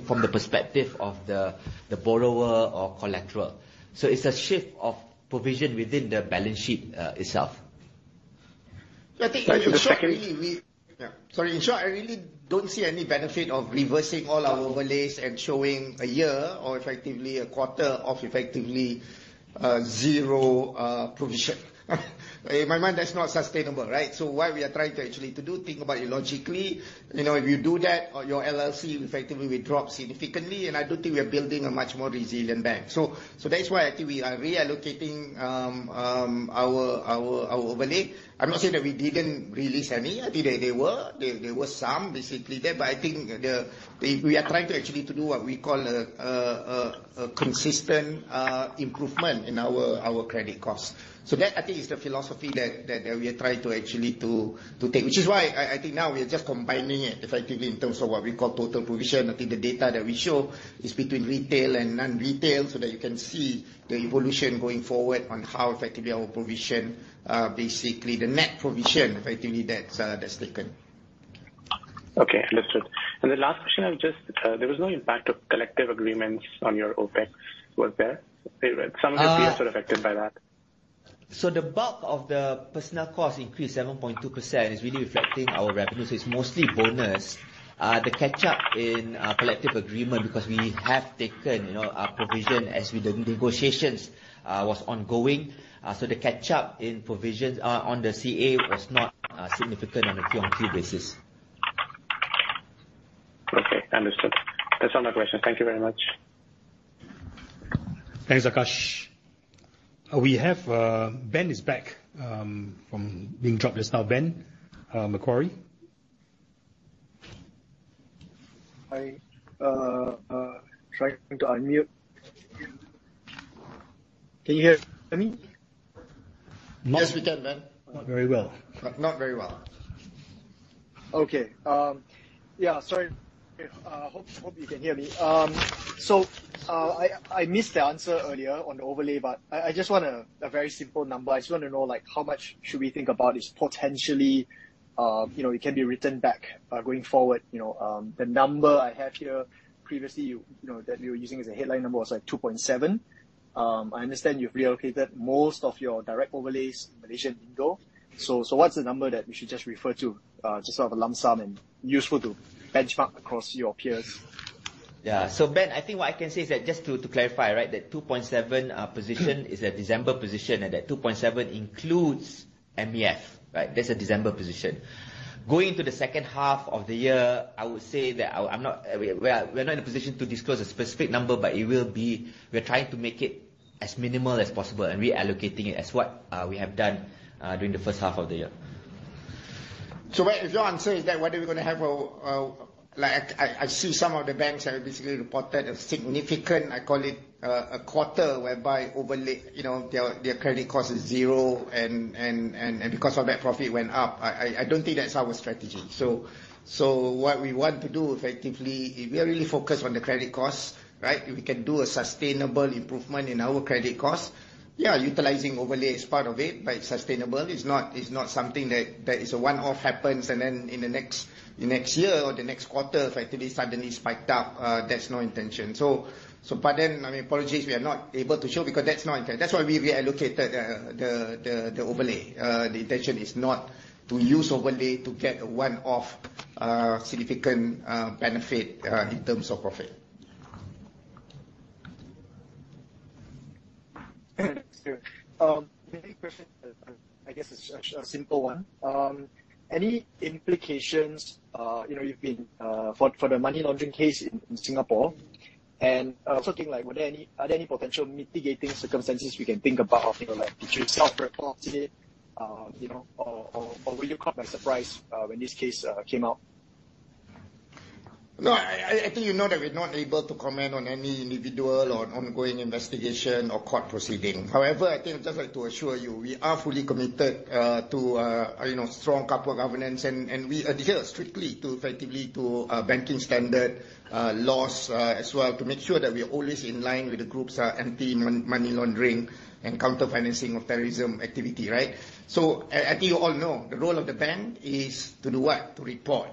from the perspective of the borrower or collateral. It's a shift of provision within the balance sheet itself. Sorry, in short, I really don't see any benefit of reversing all our overlays and showing a year or effectively a quarter of effectively zero provision. In my mind, that's not sustainable, right? What we are trying to actually to do, think about it logically, if you do that on your LLC, effectively will drop significantly, and I don't think we are building a much more resilient bank. That is why I think we are reallocating our overlay. I'm not saying that we didn't release any. I think there were some basically there, but I think we are trying to actually to do what we call a consistent improvement in our credit costs. That I think is the philosophy that we are trying to actually to take, which is why I think now we are just combining it effectively in terms of what we call total provision. I think the data that we show is between retail and non-retail so that you can see the evolution going forward on how effectively our provision, basically the net provision, effectively that's taken. Okay, understood. The last question, there was no impact of collective agreements on your OpEx, was there? Some of your peers were affected by that. The bulk of the personnel cost increase, 7.2%, is really reflecting our revenue. It's mostly bonus. The catch-up in collective agreement because we have taken our provision as the negotiations was ongoing. The catch-up in provisions on the CA was not significant on a Q on Q basis. Okay, understood. That's all my questions. Thank you very much. Thanks, Aakash. Ben is back from being dropped just now. Ben, Macquarie. Hi. Trying to unmute. Can you hear me? Yes, we can, Ben. Not very well. Not very well. Okay. Yeah, sorry. Hope you can hear me. I missed the answer earlier on the overlay, but I just want a very simple number. I just want to know how much should we think about is potentially, it can be written back going forward. The number I have here previously that you were using as a headline number was like 2.7. I understand you've relocated most of your direct overlays in Malaysian ringgit. What's the number that we should just refer to, just sort of a lump sum and useful to benchmark across your peers? Ben, I think what I can say is that, just to clarify, that 2.7 position is a December position, and that 2.7 includes MEF. That's a December position. Going to the second half of the year, I would say that we're not in a position to disclose a specific number, but we are trying to make it as minimal as possible and reallocating it as what we have done during the first half of the year. If your answer is that, whether we're going to have a, I see some of the banks have basically reported a significant, I call it a quarter, whereby overlay, their credit cost is zero, and because of that, profit went up. I don't think that's our strategy. What we want to do effectively, we are really focused on the credit cost. If we can do a sustainable improvement in our credit cost, utilizing overlay is part of it, but it's sustainable. It's not something that is a one-off happens, and then in the next year or the next quarter, effectively suddenly spiked up. That's not intention. Pardon, my apologies, we are not able to show because that's not intent. That's why we reallocated the overlay. The intention is not to use overlay to get a one-off significant benefit in terms of profit. Thanks. My question, I guess it's a simple one. Any implications for the money laundering case in Singapore, and also thinking are there any potential mitigating circumstances we can think about? Did you self-report today, or were you caught by surprise when this case came out? No, I think you know that we're not able to comment on any individual or an ongoing investigation or court proceeding. However, I think I'd just like to assure you, we are fully committed to strong corporate governance, and we adhere strictly effectively to banking standard laws as well to make sure that we are always in line with the group's anti-money laundering and counter-financing of terrorism activity. I think you all know the role of the bank is to do what? To report.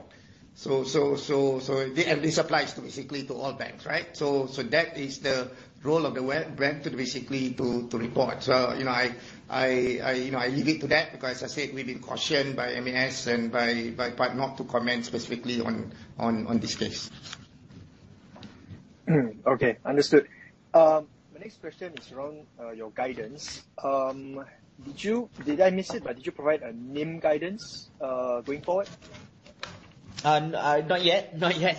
This applies basically to all banks, right? That is the role of the bank basically to report. I leave it to that because as I said, we've been cautioned by MAS and by pipe not to comment specifically on this case. Okay, understood. My next question is around your guidance. Did I miss it, but did you provide a NIM guidance going forward? Not yet. In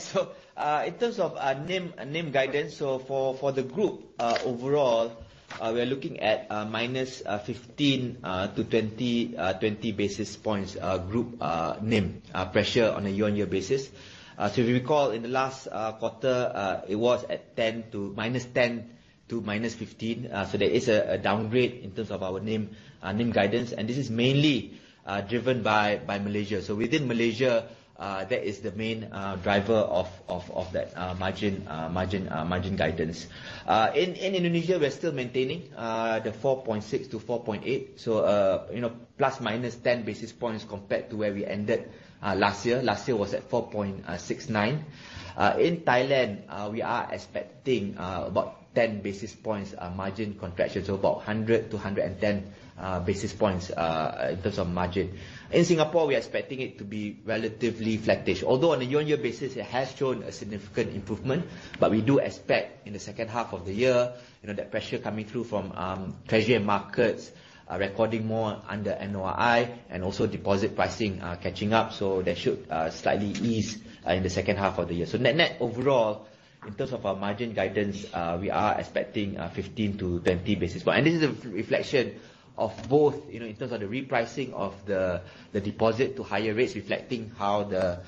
terms of our NIM guidance, for the group overall, we are looking at -15 to 20 basis points group NIM pressure on a year-on-year basis. In the last quarter, it was at -10 to -15, there is a downgrade in terms of our NIM guidance, and this is mainly driven by Malaysia. Within Malaysia, that is the main driver of that margin guidance. In Indonesia, we're still maintaining the 4.6 to 4.8, ±10 basis points compared to where we ended last year. Last year was at 4.69. In Thailand, we are expecting about 10 basis points margin contraction, about 100 to 110 basis points in terms of margin. In Singapore, we are expecting it to be relatively flattish. Although on a year-on-year basis it has shown a significant improvement, we do expect in the second half of the year, that pressure coming through from treasury and markets, recording more under NOI and also deposit pricing catching up, that should slightly ease in the second half of the year. Net net overall, in terms of our margin guidance, we are expecting 15 to 20 basis points. This is a reflection of both, in terms of the repricing of the deposit to higher rates, reflecting how the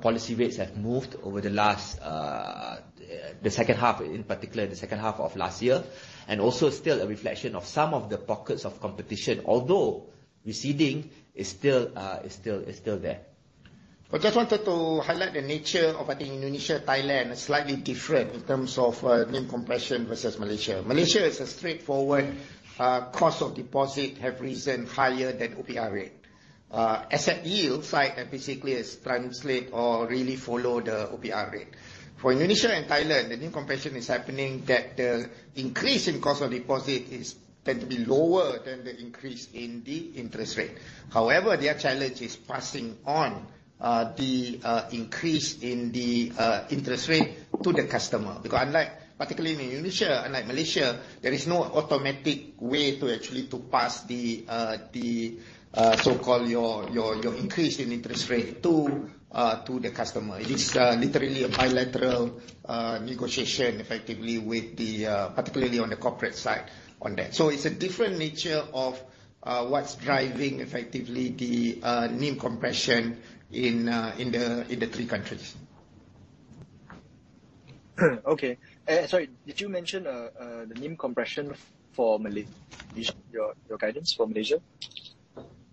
policy rates have moved over the second half, in particular, the second half of last year. Also still a reflection of some of the pockets of competition. Although receding, it's still there. I just wanted to highlight the nature of, I think, Indonesia, Thailand, are slightly different in terms of NIM compression versus Malaysia. Malaysia is a straightforward, cost of deposit have risen higher than OPR rate. Asset yield side basically is translate or really follow the OPR rate. For Indonesia and Thailand, the NIM compression is happening that the increase in cost of deposit tend to be lower than the increase in the interest rate. However, their challenge is passing on the increase in the interest rate to the customer. Because unlike, particularly in Indonesia, unlike Malaysia, there is no automatic way to actually pass your increase in interest rate to the customer. It is literally a bilateral negotiation effectively, particularly on the corporate side on that. It's a different nature of what's driving, effectively, the NIM compression in the three countries. Okay. Sorry, did you mention the NIM compression for Malaysia, your guidance for Malaysia?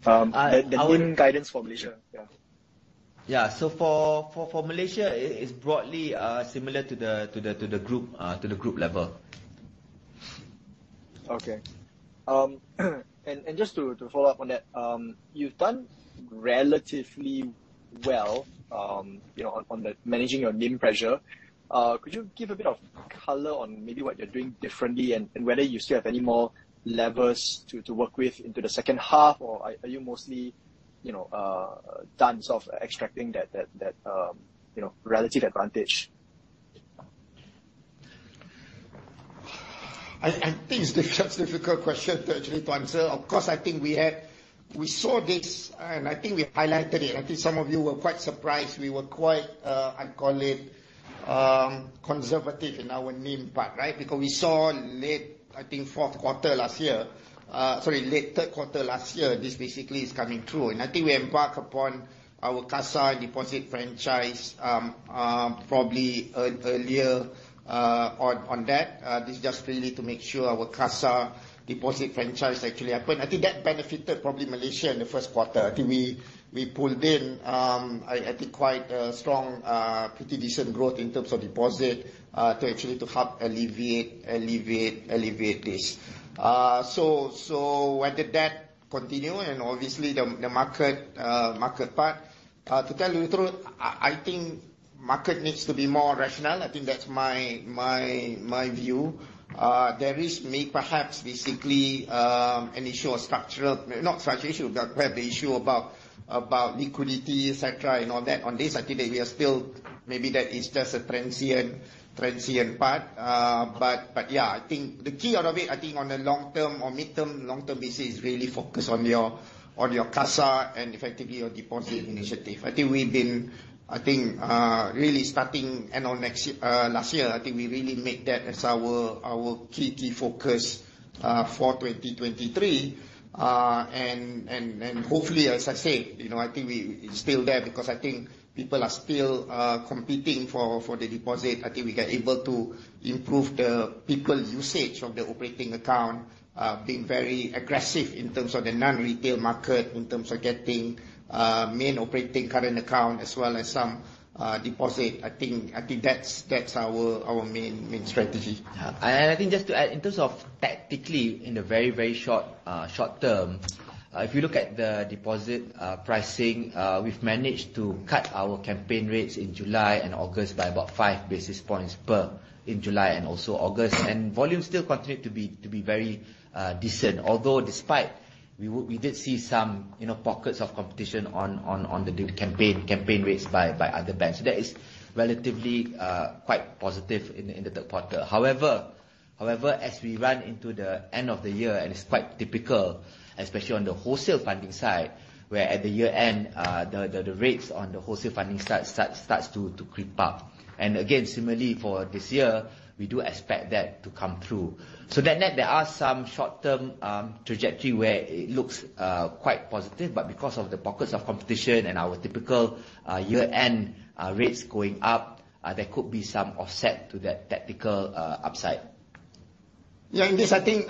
Our- The NIM guidance for Malaysia, yeah. Yeah. For Malaysia, it is broadly similar to the group level. Okay. Just to follow up on that, you've done relatively well on the managing your NIM pressure. Could you give a bit of color on maybe what you're doing differently, and whether you still have any more levers to work with into the second half, or are you mostly done, sort of extracting that relative advantage? I think it's a difficult question to actually answer. Of course, I think we saw this, and I think we highlighted it. I think some of you were quite surprised. We were quite, I'd call it, conservative in our NIM part, right? Because we saw late, I think, fourth quarter last year, sorry, late third quarter last year, this basically is coming through. I think we embarked upon our CASA deposit franchise, probably earlier, on that. This is just really to make sure our CASA deposit franchise actually happened. I think that benefited probably Malaysia in the first quarter. I think we pulled in, I think, quite a strong, pretty decent growth in terms of deposit, to actually help alleviate this. Whether that continue, and obviously the market part, to tell you the truth, I think market needs to be more rational. I think that's my view. There is, maybe perhaps basically, an issue of structural, not structural issue, but we have the issue about liquidity, et cetera, and all that. On this, I think that we are still, maybe that is just a transient part. Yeah, I think the key out of it, I think on the long term or midterm, long term basis is really focused on your CASA and effectively your deposit initiative. I think, really starting end of last year, I think we really made that as our key focus, for 2023. Hopefully, as I said, I think it's still there because I think people are still competing for the deposit. I think we are able to improve the people usage of the operating account, being very aggressive in terms of the non-retail market, in terms of getting main operating current account as well as some deposit. I think that's our main strategy. I think just to add, in terms of tactically in the very, very short term, if you look at the deposit pricing, we've managed to cut our campaign rates in July and August by about five basis points in July and also August. Volumes still continue to be very decent, although despite we did see some pockets of competition on the campaign rates by other banks. That is relatively quite positive in the third quarter. As we run into the end of the year, and it's quite typical, especially on the wholesale funding side, where at the year-end, the rates on the wholesale funding side starts to creep up. Again, similarly for this year, we do expect that to come through. Net, there are some short-term trajectory where it looks quite positive, but because of the pockets of competition and our typical year-end rates going up, there could be some offset to that technical upside. Yeah, this, I think,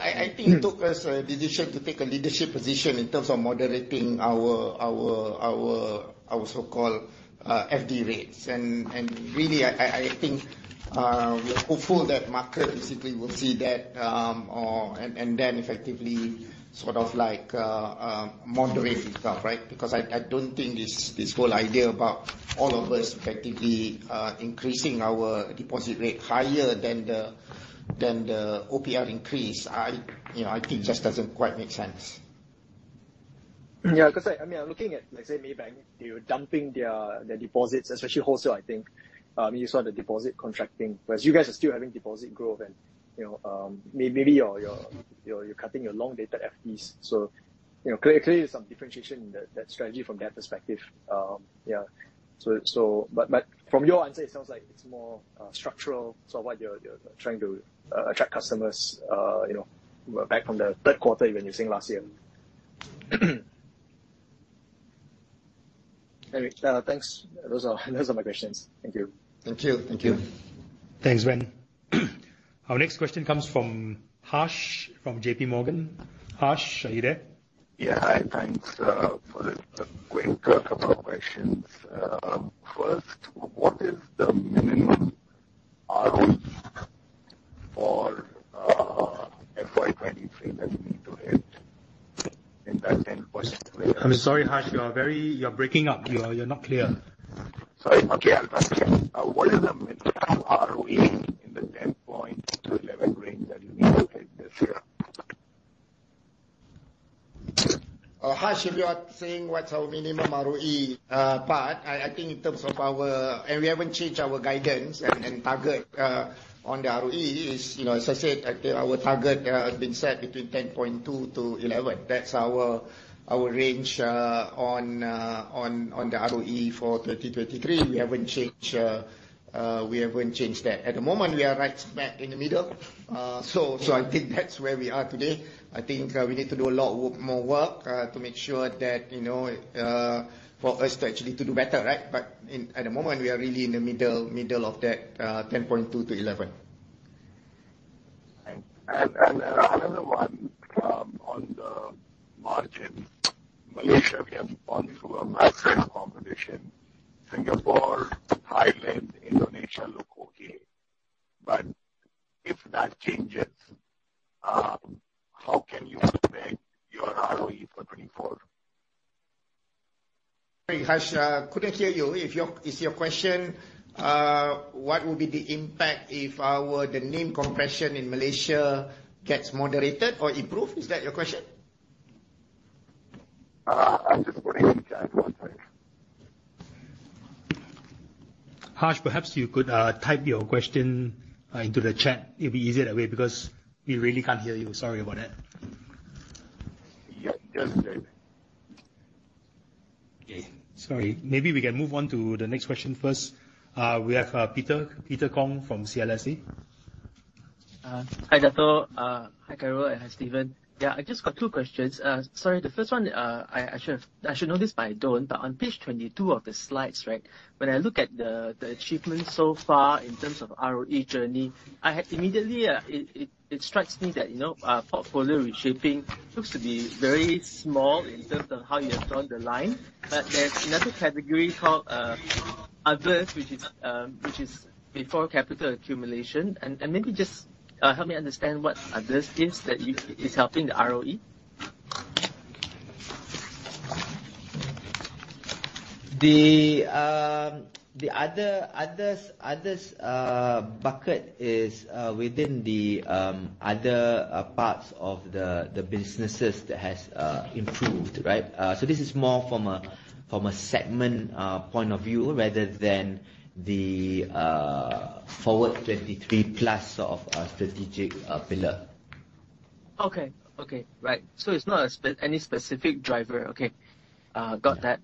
took us a decision to take a leadership position in terms of moderating our so-called FD rates. Really, I think, we are hopeful that market basically will see that, and then effectively moderate itself, right? Because I don't think this whole idea about all of us effectively increasing our deposit rate higher than the OPR increase, I think just doesn't quite make sense. I'm looking at, let's say, Maybank, they're dumping their deposits, especially wholesale, I think. You saw the deposit contracting, whereas you guys are still having deposit growth, and maybe you're cutting your long-dated FDs. Clearly, there's some differentiation in that strategy from that perspective. From your answer, it sounds like it's more structural, what you're trying to attract customers back from the third quarter, even you're saying last year. Anyway, thanks. Those are my questions. Thank you. Thank you. Thank you. Thanks, Ben. Our next question comes from Harsh from JPMorgan. Harsh, are you there? Yeah. Hi. Thanks. A quick couple of questions. First, what is the minimum ROE for FY 2023 that you need to hit? The second question- I'm sorry, Harsh, you're breaking up. You're not clear. Sorry. Okay, I'll try again. What is the minimum ROE in the 10.2-11 range that you need to hit this year? Harsh, if you are saying what's our minimum ROE part, we haven't changed our guidance and target on the ROE, as I said, I think our target has been set between 10.2-11. That's our range on the ROE for 2023. We haven't changed that. At the moment, we are right back in the middle. I think that's where we are today. I think we need to do a lot more work to make sure that for us to actually do better. At the moment, we are really in the middle of that, 10.2-11. Another one, on the margin. Malaysia, we have gone through a massive competition. Singapore, Thailand, Indonesia look okay. If that changes, how can you protect your ROE for 2024? Sorry, Harsh. Couldn't hear you. Is your question, what will be the impact if our NIM compression in Malaysia gets moderated or improved? Is that your question? I'm just putting it in the chat one more time. Harsh, perhaps you could type your question into the chat. It'd be easier that way because we really can't hear you. Sorry about that. Yep. Done, sorry. Okay. Sorry. Maybe we can move on to the next question first. We have Peter Kong from CLSA. Hi, Dato'. Hi, Carol, and hi, Steven. Yeah, I just got two questions. Sorry, the first one, I should know this, but I don't. On page 22 of the slides, when I look at the achievements so far in terms of ROE journey, immediately, it strikes me that, portfolio reshaping looks to be very small in terms of how you have drawn the line. There's another category called Others, which is before capital accumulation. Maybe just help me understand what Others is that is helping the ROE. The Others bucket is within the other parts of the businesses that has improved, right? This is more from a segment point of view rather than the FWD23+ sort of strategic pillar. Okay. Right. It's not any specific driver. Okay. Got that.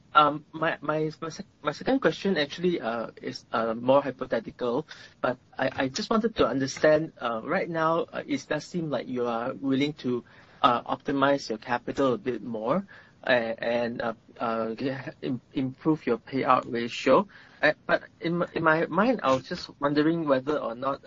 My second question actually is more hypothetical. I just wanted to understand, right now, it does seem like you are willing to optimize your capital a bit more, and improve your payout ratio. In my mind, I was just wondering whether or not,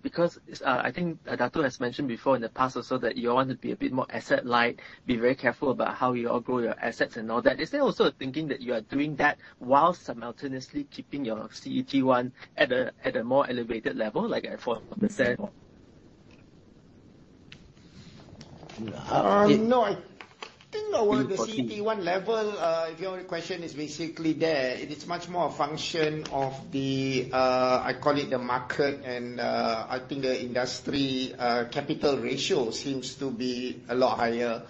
because I think Dato' has mentioned before in the past also that you want to be a bit more asset light, be very careful about how you all grow your assets and all that. Is there also a thinking that you are doing that while simultaneously keeping your CET1 at a more elevated level, like at 4%? No, I think around the CET1 level, if your question is basically there, it is much more a function of the, I call it the market and, I think the industry capital ratio seems to be a lot higher.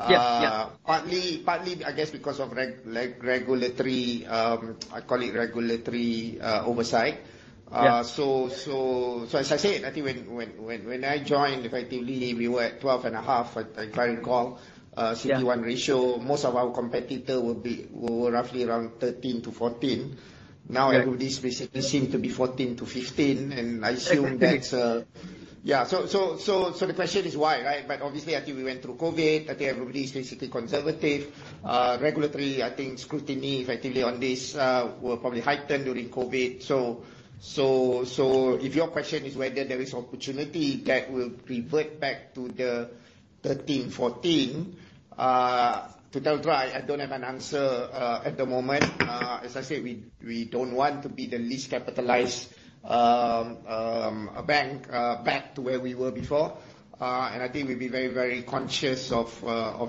Yes. Partly, I guess because of, I call it regulatory oversight. Yeah. As I said, I think when I joined, effectively, we were at 12.5, if I recall- Yeah CET1 ratio. Most of our competitors were roughly around 13%-14%. Everybody is basically seem to be 14%-15%, I assume that's the question is why, right? Obviously, I think we went through COVID. I think everybody is basically conservative. Regulatory, I think scrutiny effectively on this, will probably heighten during COVID. If your question is whether there is opportunity that will revert back to the 13%-14%. To tell you the truth, I don't have an answer at the moment. As I said, we don't want to be the least capitalized bank, back to where we were before. I think we will be very conscious of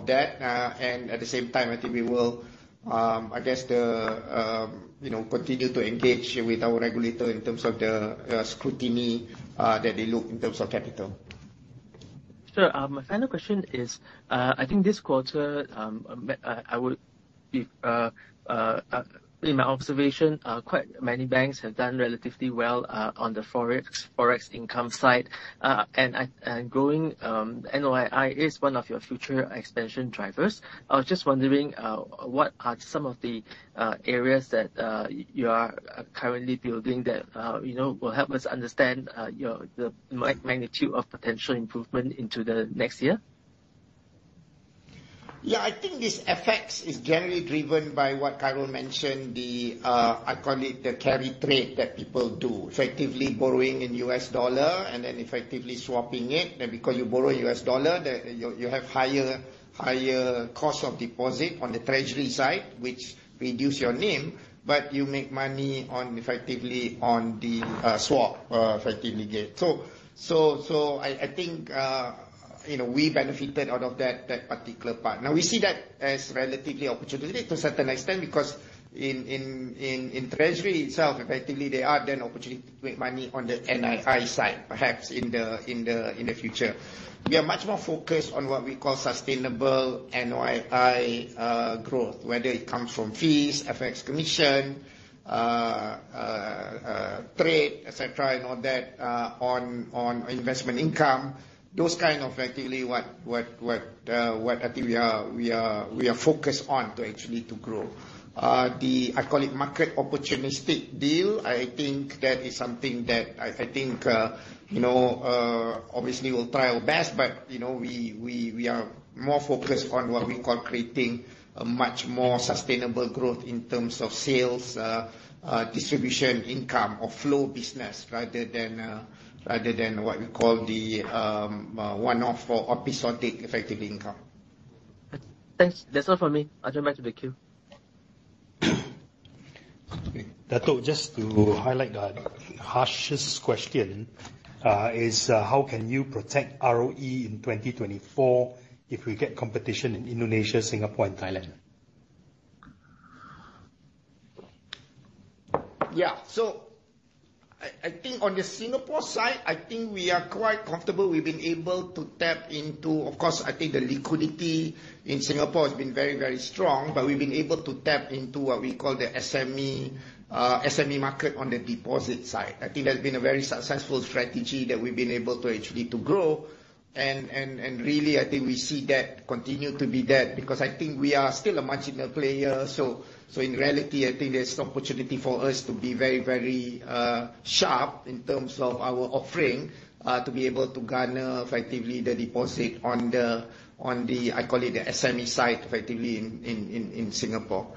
that. At the same time, I think we will, I guess, continue to engage with our regulator in terms of the scrutiny, that they look in terms of capital. Sure. My final question is, I think this quarter, in my observation, quite many banks have done relatively well, on the FX income side. Growing NOII is one of your future expansion drivers. I was just wondering, what are some of the areas that you are currently building that will help us understand the magnitude of potential improvement into the next year? I think this FX is generally driven by what Carol mentioned, the, I call it the carry trade, that people do. Effectively borrowing in US dollar and then effectively swapping it. Because you borrow US dollar, you have higher cost of deposit on the treasury side, which reduce your NIM, but you make money effectively on the swap. I think we benefited out of that particular part. Now we see that as relatively opportunity to a certain extent because in treasury itself, effectively, there are then opportunity to make money on the NII side, perhaps in the future. We are much more focused on what we call sustainable NII growth, whether it comes from fees, FX commission, trade, et cetera, and all that, on investment income. Those kind of effectively what I think we are focused on to actually to grow. I call it market opportunistic deal, I think that is something that, obviously, we will try our best, but we are more focused on what we call creating a much more sustainable growth in terms of sales, distribution, income or flow business rather than what we call the one-off or episodic effective income. Thanks. That's all for me. I'll turn back to the queue. Dato', just to highlight the harshest question, is how can you protect ROE in 2024 if we get competition in Indonesia, Singapore, and Thailand? Yeah. I think on the Singapore side, I think we are quite comfortable. We've been able to tap into, of course, I think the liquidity in Singapore has been very strong, but we've been able to tap into what we call the SME market on the deposit side. I think that's been a very successful strategy that we've been able to actually to grow. Really, I think we see that continue to be there because I think we are still a marginal player. In reality, I think there's opportunity for us to be very sharp in terms of our offering, to be able to garner effectively the deposit on the, I call it the SME side, effectively in Singapore.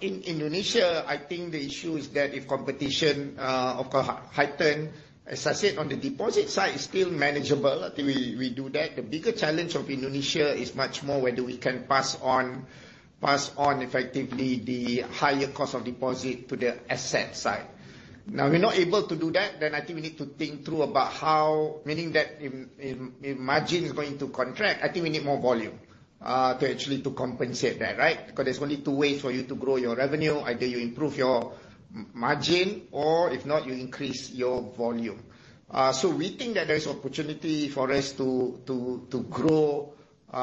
In Indonesia, I think the issue is that if competition heighten, as I said, on the deposit side, it's still manageable. I think we do that. The bigger challenge of Indonesia is much more whether we can pass on effectively the higher cost of deposit to the asset side. Now, if we're not able to do that, then I think we need to think through about how, meaning that if margin is going to contract, I think we need more volume, to actually to compensate that, right? There's only two ways for you to grow your revenue. Either you improve your margin or if not, you increase your volume. We think that there's opportunity for us to grow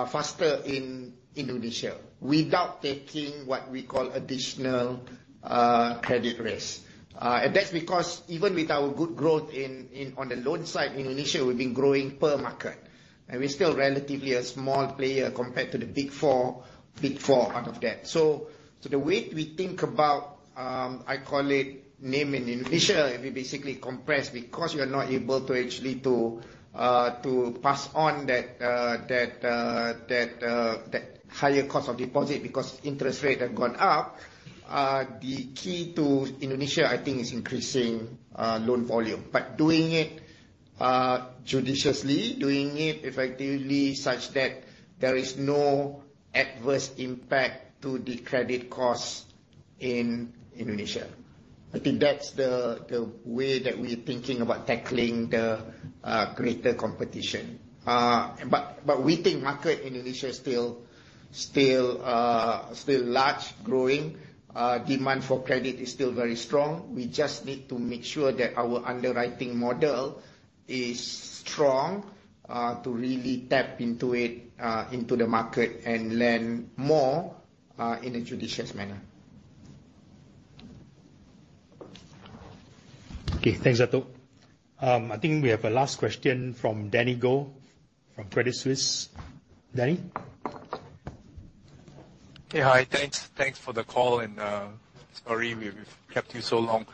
faster in Indonesia without taking what we call additional credit risk. That's because even with our good growth on the loan side, Indonesia, we've been growing per market, and we're still relatively a small player compared to the Big Four out of that. The way we think about, I call it NIM in Indonesia, we basically compress because we are not able to actually pass on that higher cost of deposit because interest rates have gone up. The key to Indonesia, I think, is increasing loan volume, but doing it judiciously, doing it effectively such that there is no adverse impact to the credit cost in Indonesia. I think that's the way that we're thinking about tackling the greater competition. We think market Indonesia is still large, growing. Demand for credit is still very strong. We just need to make sure that our underwriting model is strong to really tap into it, into the market, and lend more in a judicious manner. Thanks, Dato'. I think we have a last question from Danny Goh, from Credit Suisse. Danny? Thanks for the call, and sorry we've kept you so long.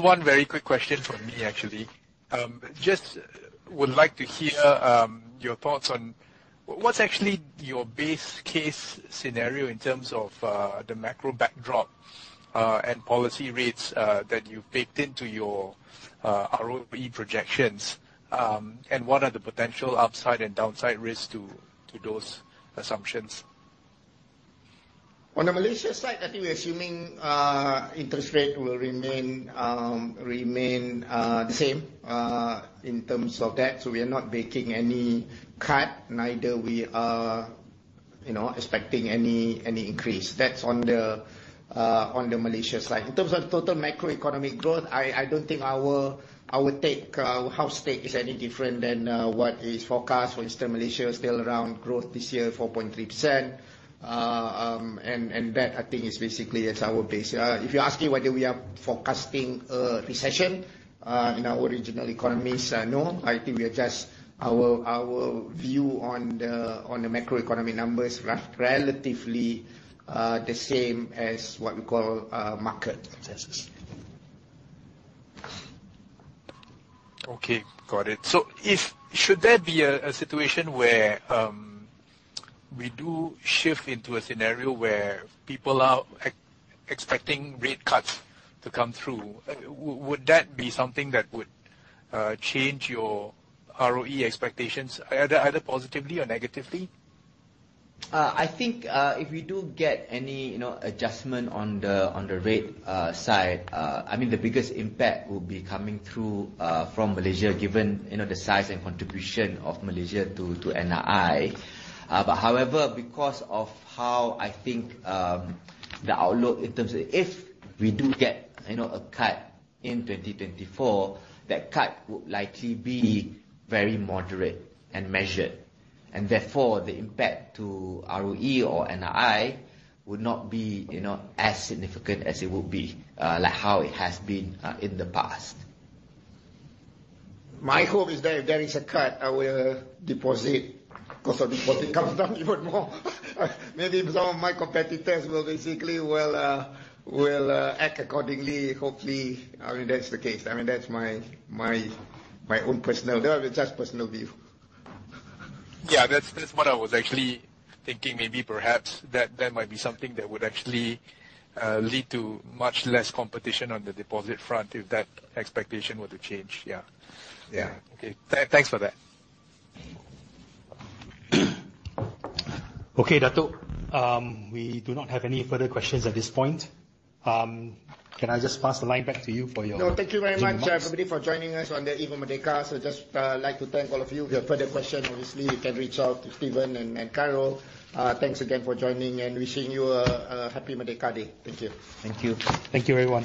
One very quick question from me, actually. Would like to hear your thoughts on what's actually your base case scenario in terms of the macro backdrop, and policy rates that you've baked into your ROE projections, and what are the potential upside and downside risks to those assumptions? On the Malaysia side, I think we're assuming interest rates will remain the same in terms of that. We are not making any cut. Neither we are expecting any increase. That's on the Malaysia side. In terms of total macroeconomic growth, I don't think our take, our house take, is any different than what is forecast. For instance, Malaysia is still around growth this year, 4.3%. That, I think, is basically is our base. If you ask me whether we are forecasting a recession in our regional economies, no. I think our view on the macroeconomy numbers are relatively the same as what we call market assessments. Got it. Should there be a situation where we do shift into a scenario where people are expecting rate cuts to come through, would that be something that would change your ROE expectations, either positively or negatively? I think, if we do get any adjustment on the rate side, the biggest impact will be coming through from Malaysia, given the size and contribution of Malaysia to NII. However, because of how, I think, the outlook, in terms of if we do get a cut in 2024, that cut would likely be very moderate and measured, and therefore, the impact to ROE or NII would not be as significant as it would be, like how it has been in the past. My hope is that if there is a cut, our cost of deposit comes down even more. Maybe some of my competitors basically will act accordingly, hopefully. I mean, that's the case. That's just personal view. That's what I was actually thinking, maybe perhaps that that might be something that would actually lead to much less competition on the deposit front if that expectation were to change. Yeah. Yeah. Okay. Thanks for that. Okay, Dato'. We do not have any further questions at this point. Can I just pass the line back to you for your. No, thank you very much, everybody. remarks for joining us on the Eve of Merdeka. Just like to thank all of you. If you have further question, obviously, you can reach out to Steven and Carol. Thanks again for joining, and wishing you a happy Merdeka Day. Thank you. Thank you. Thank you very much.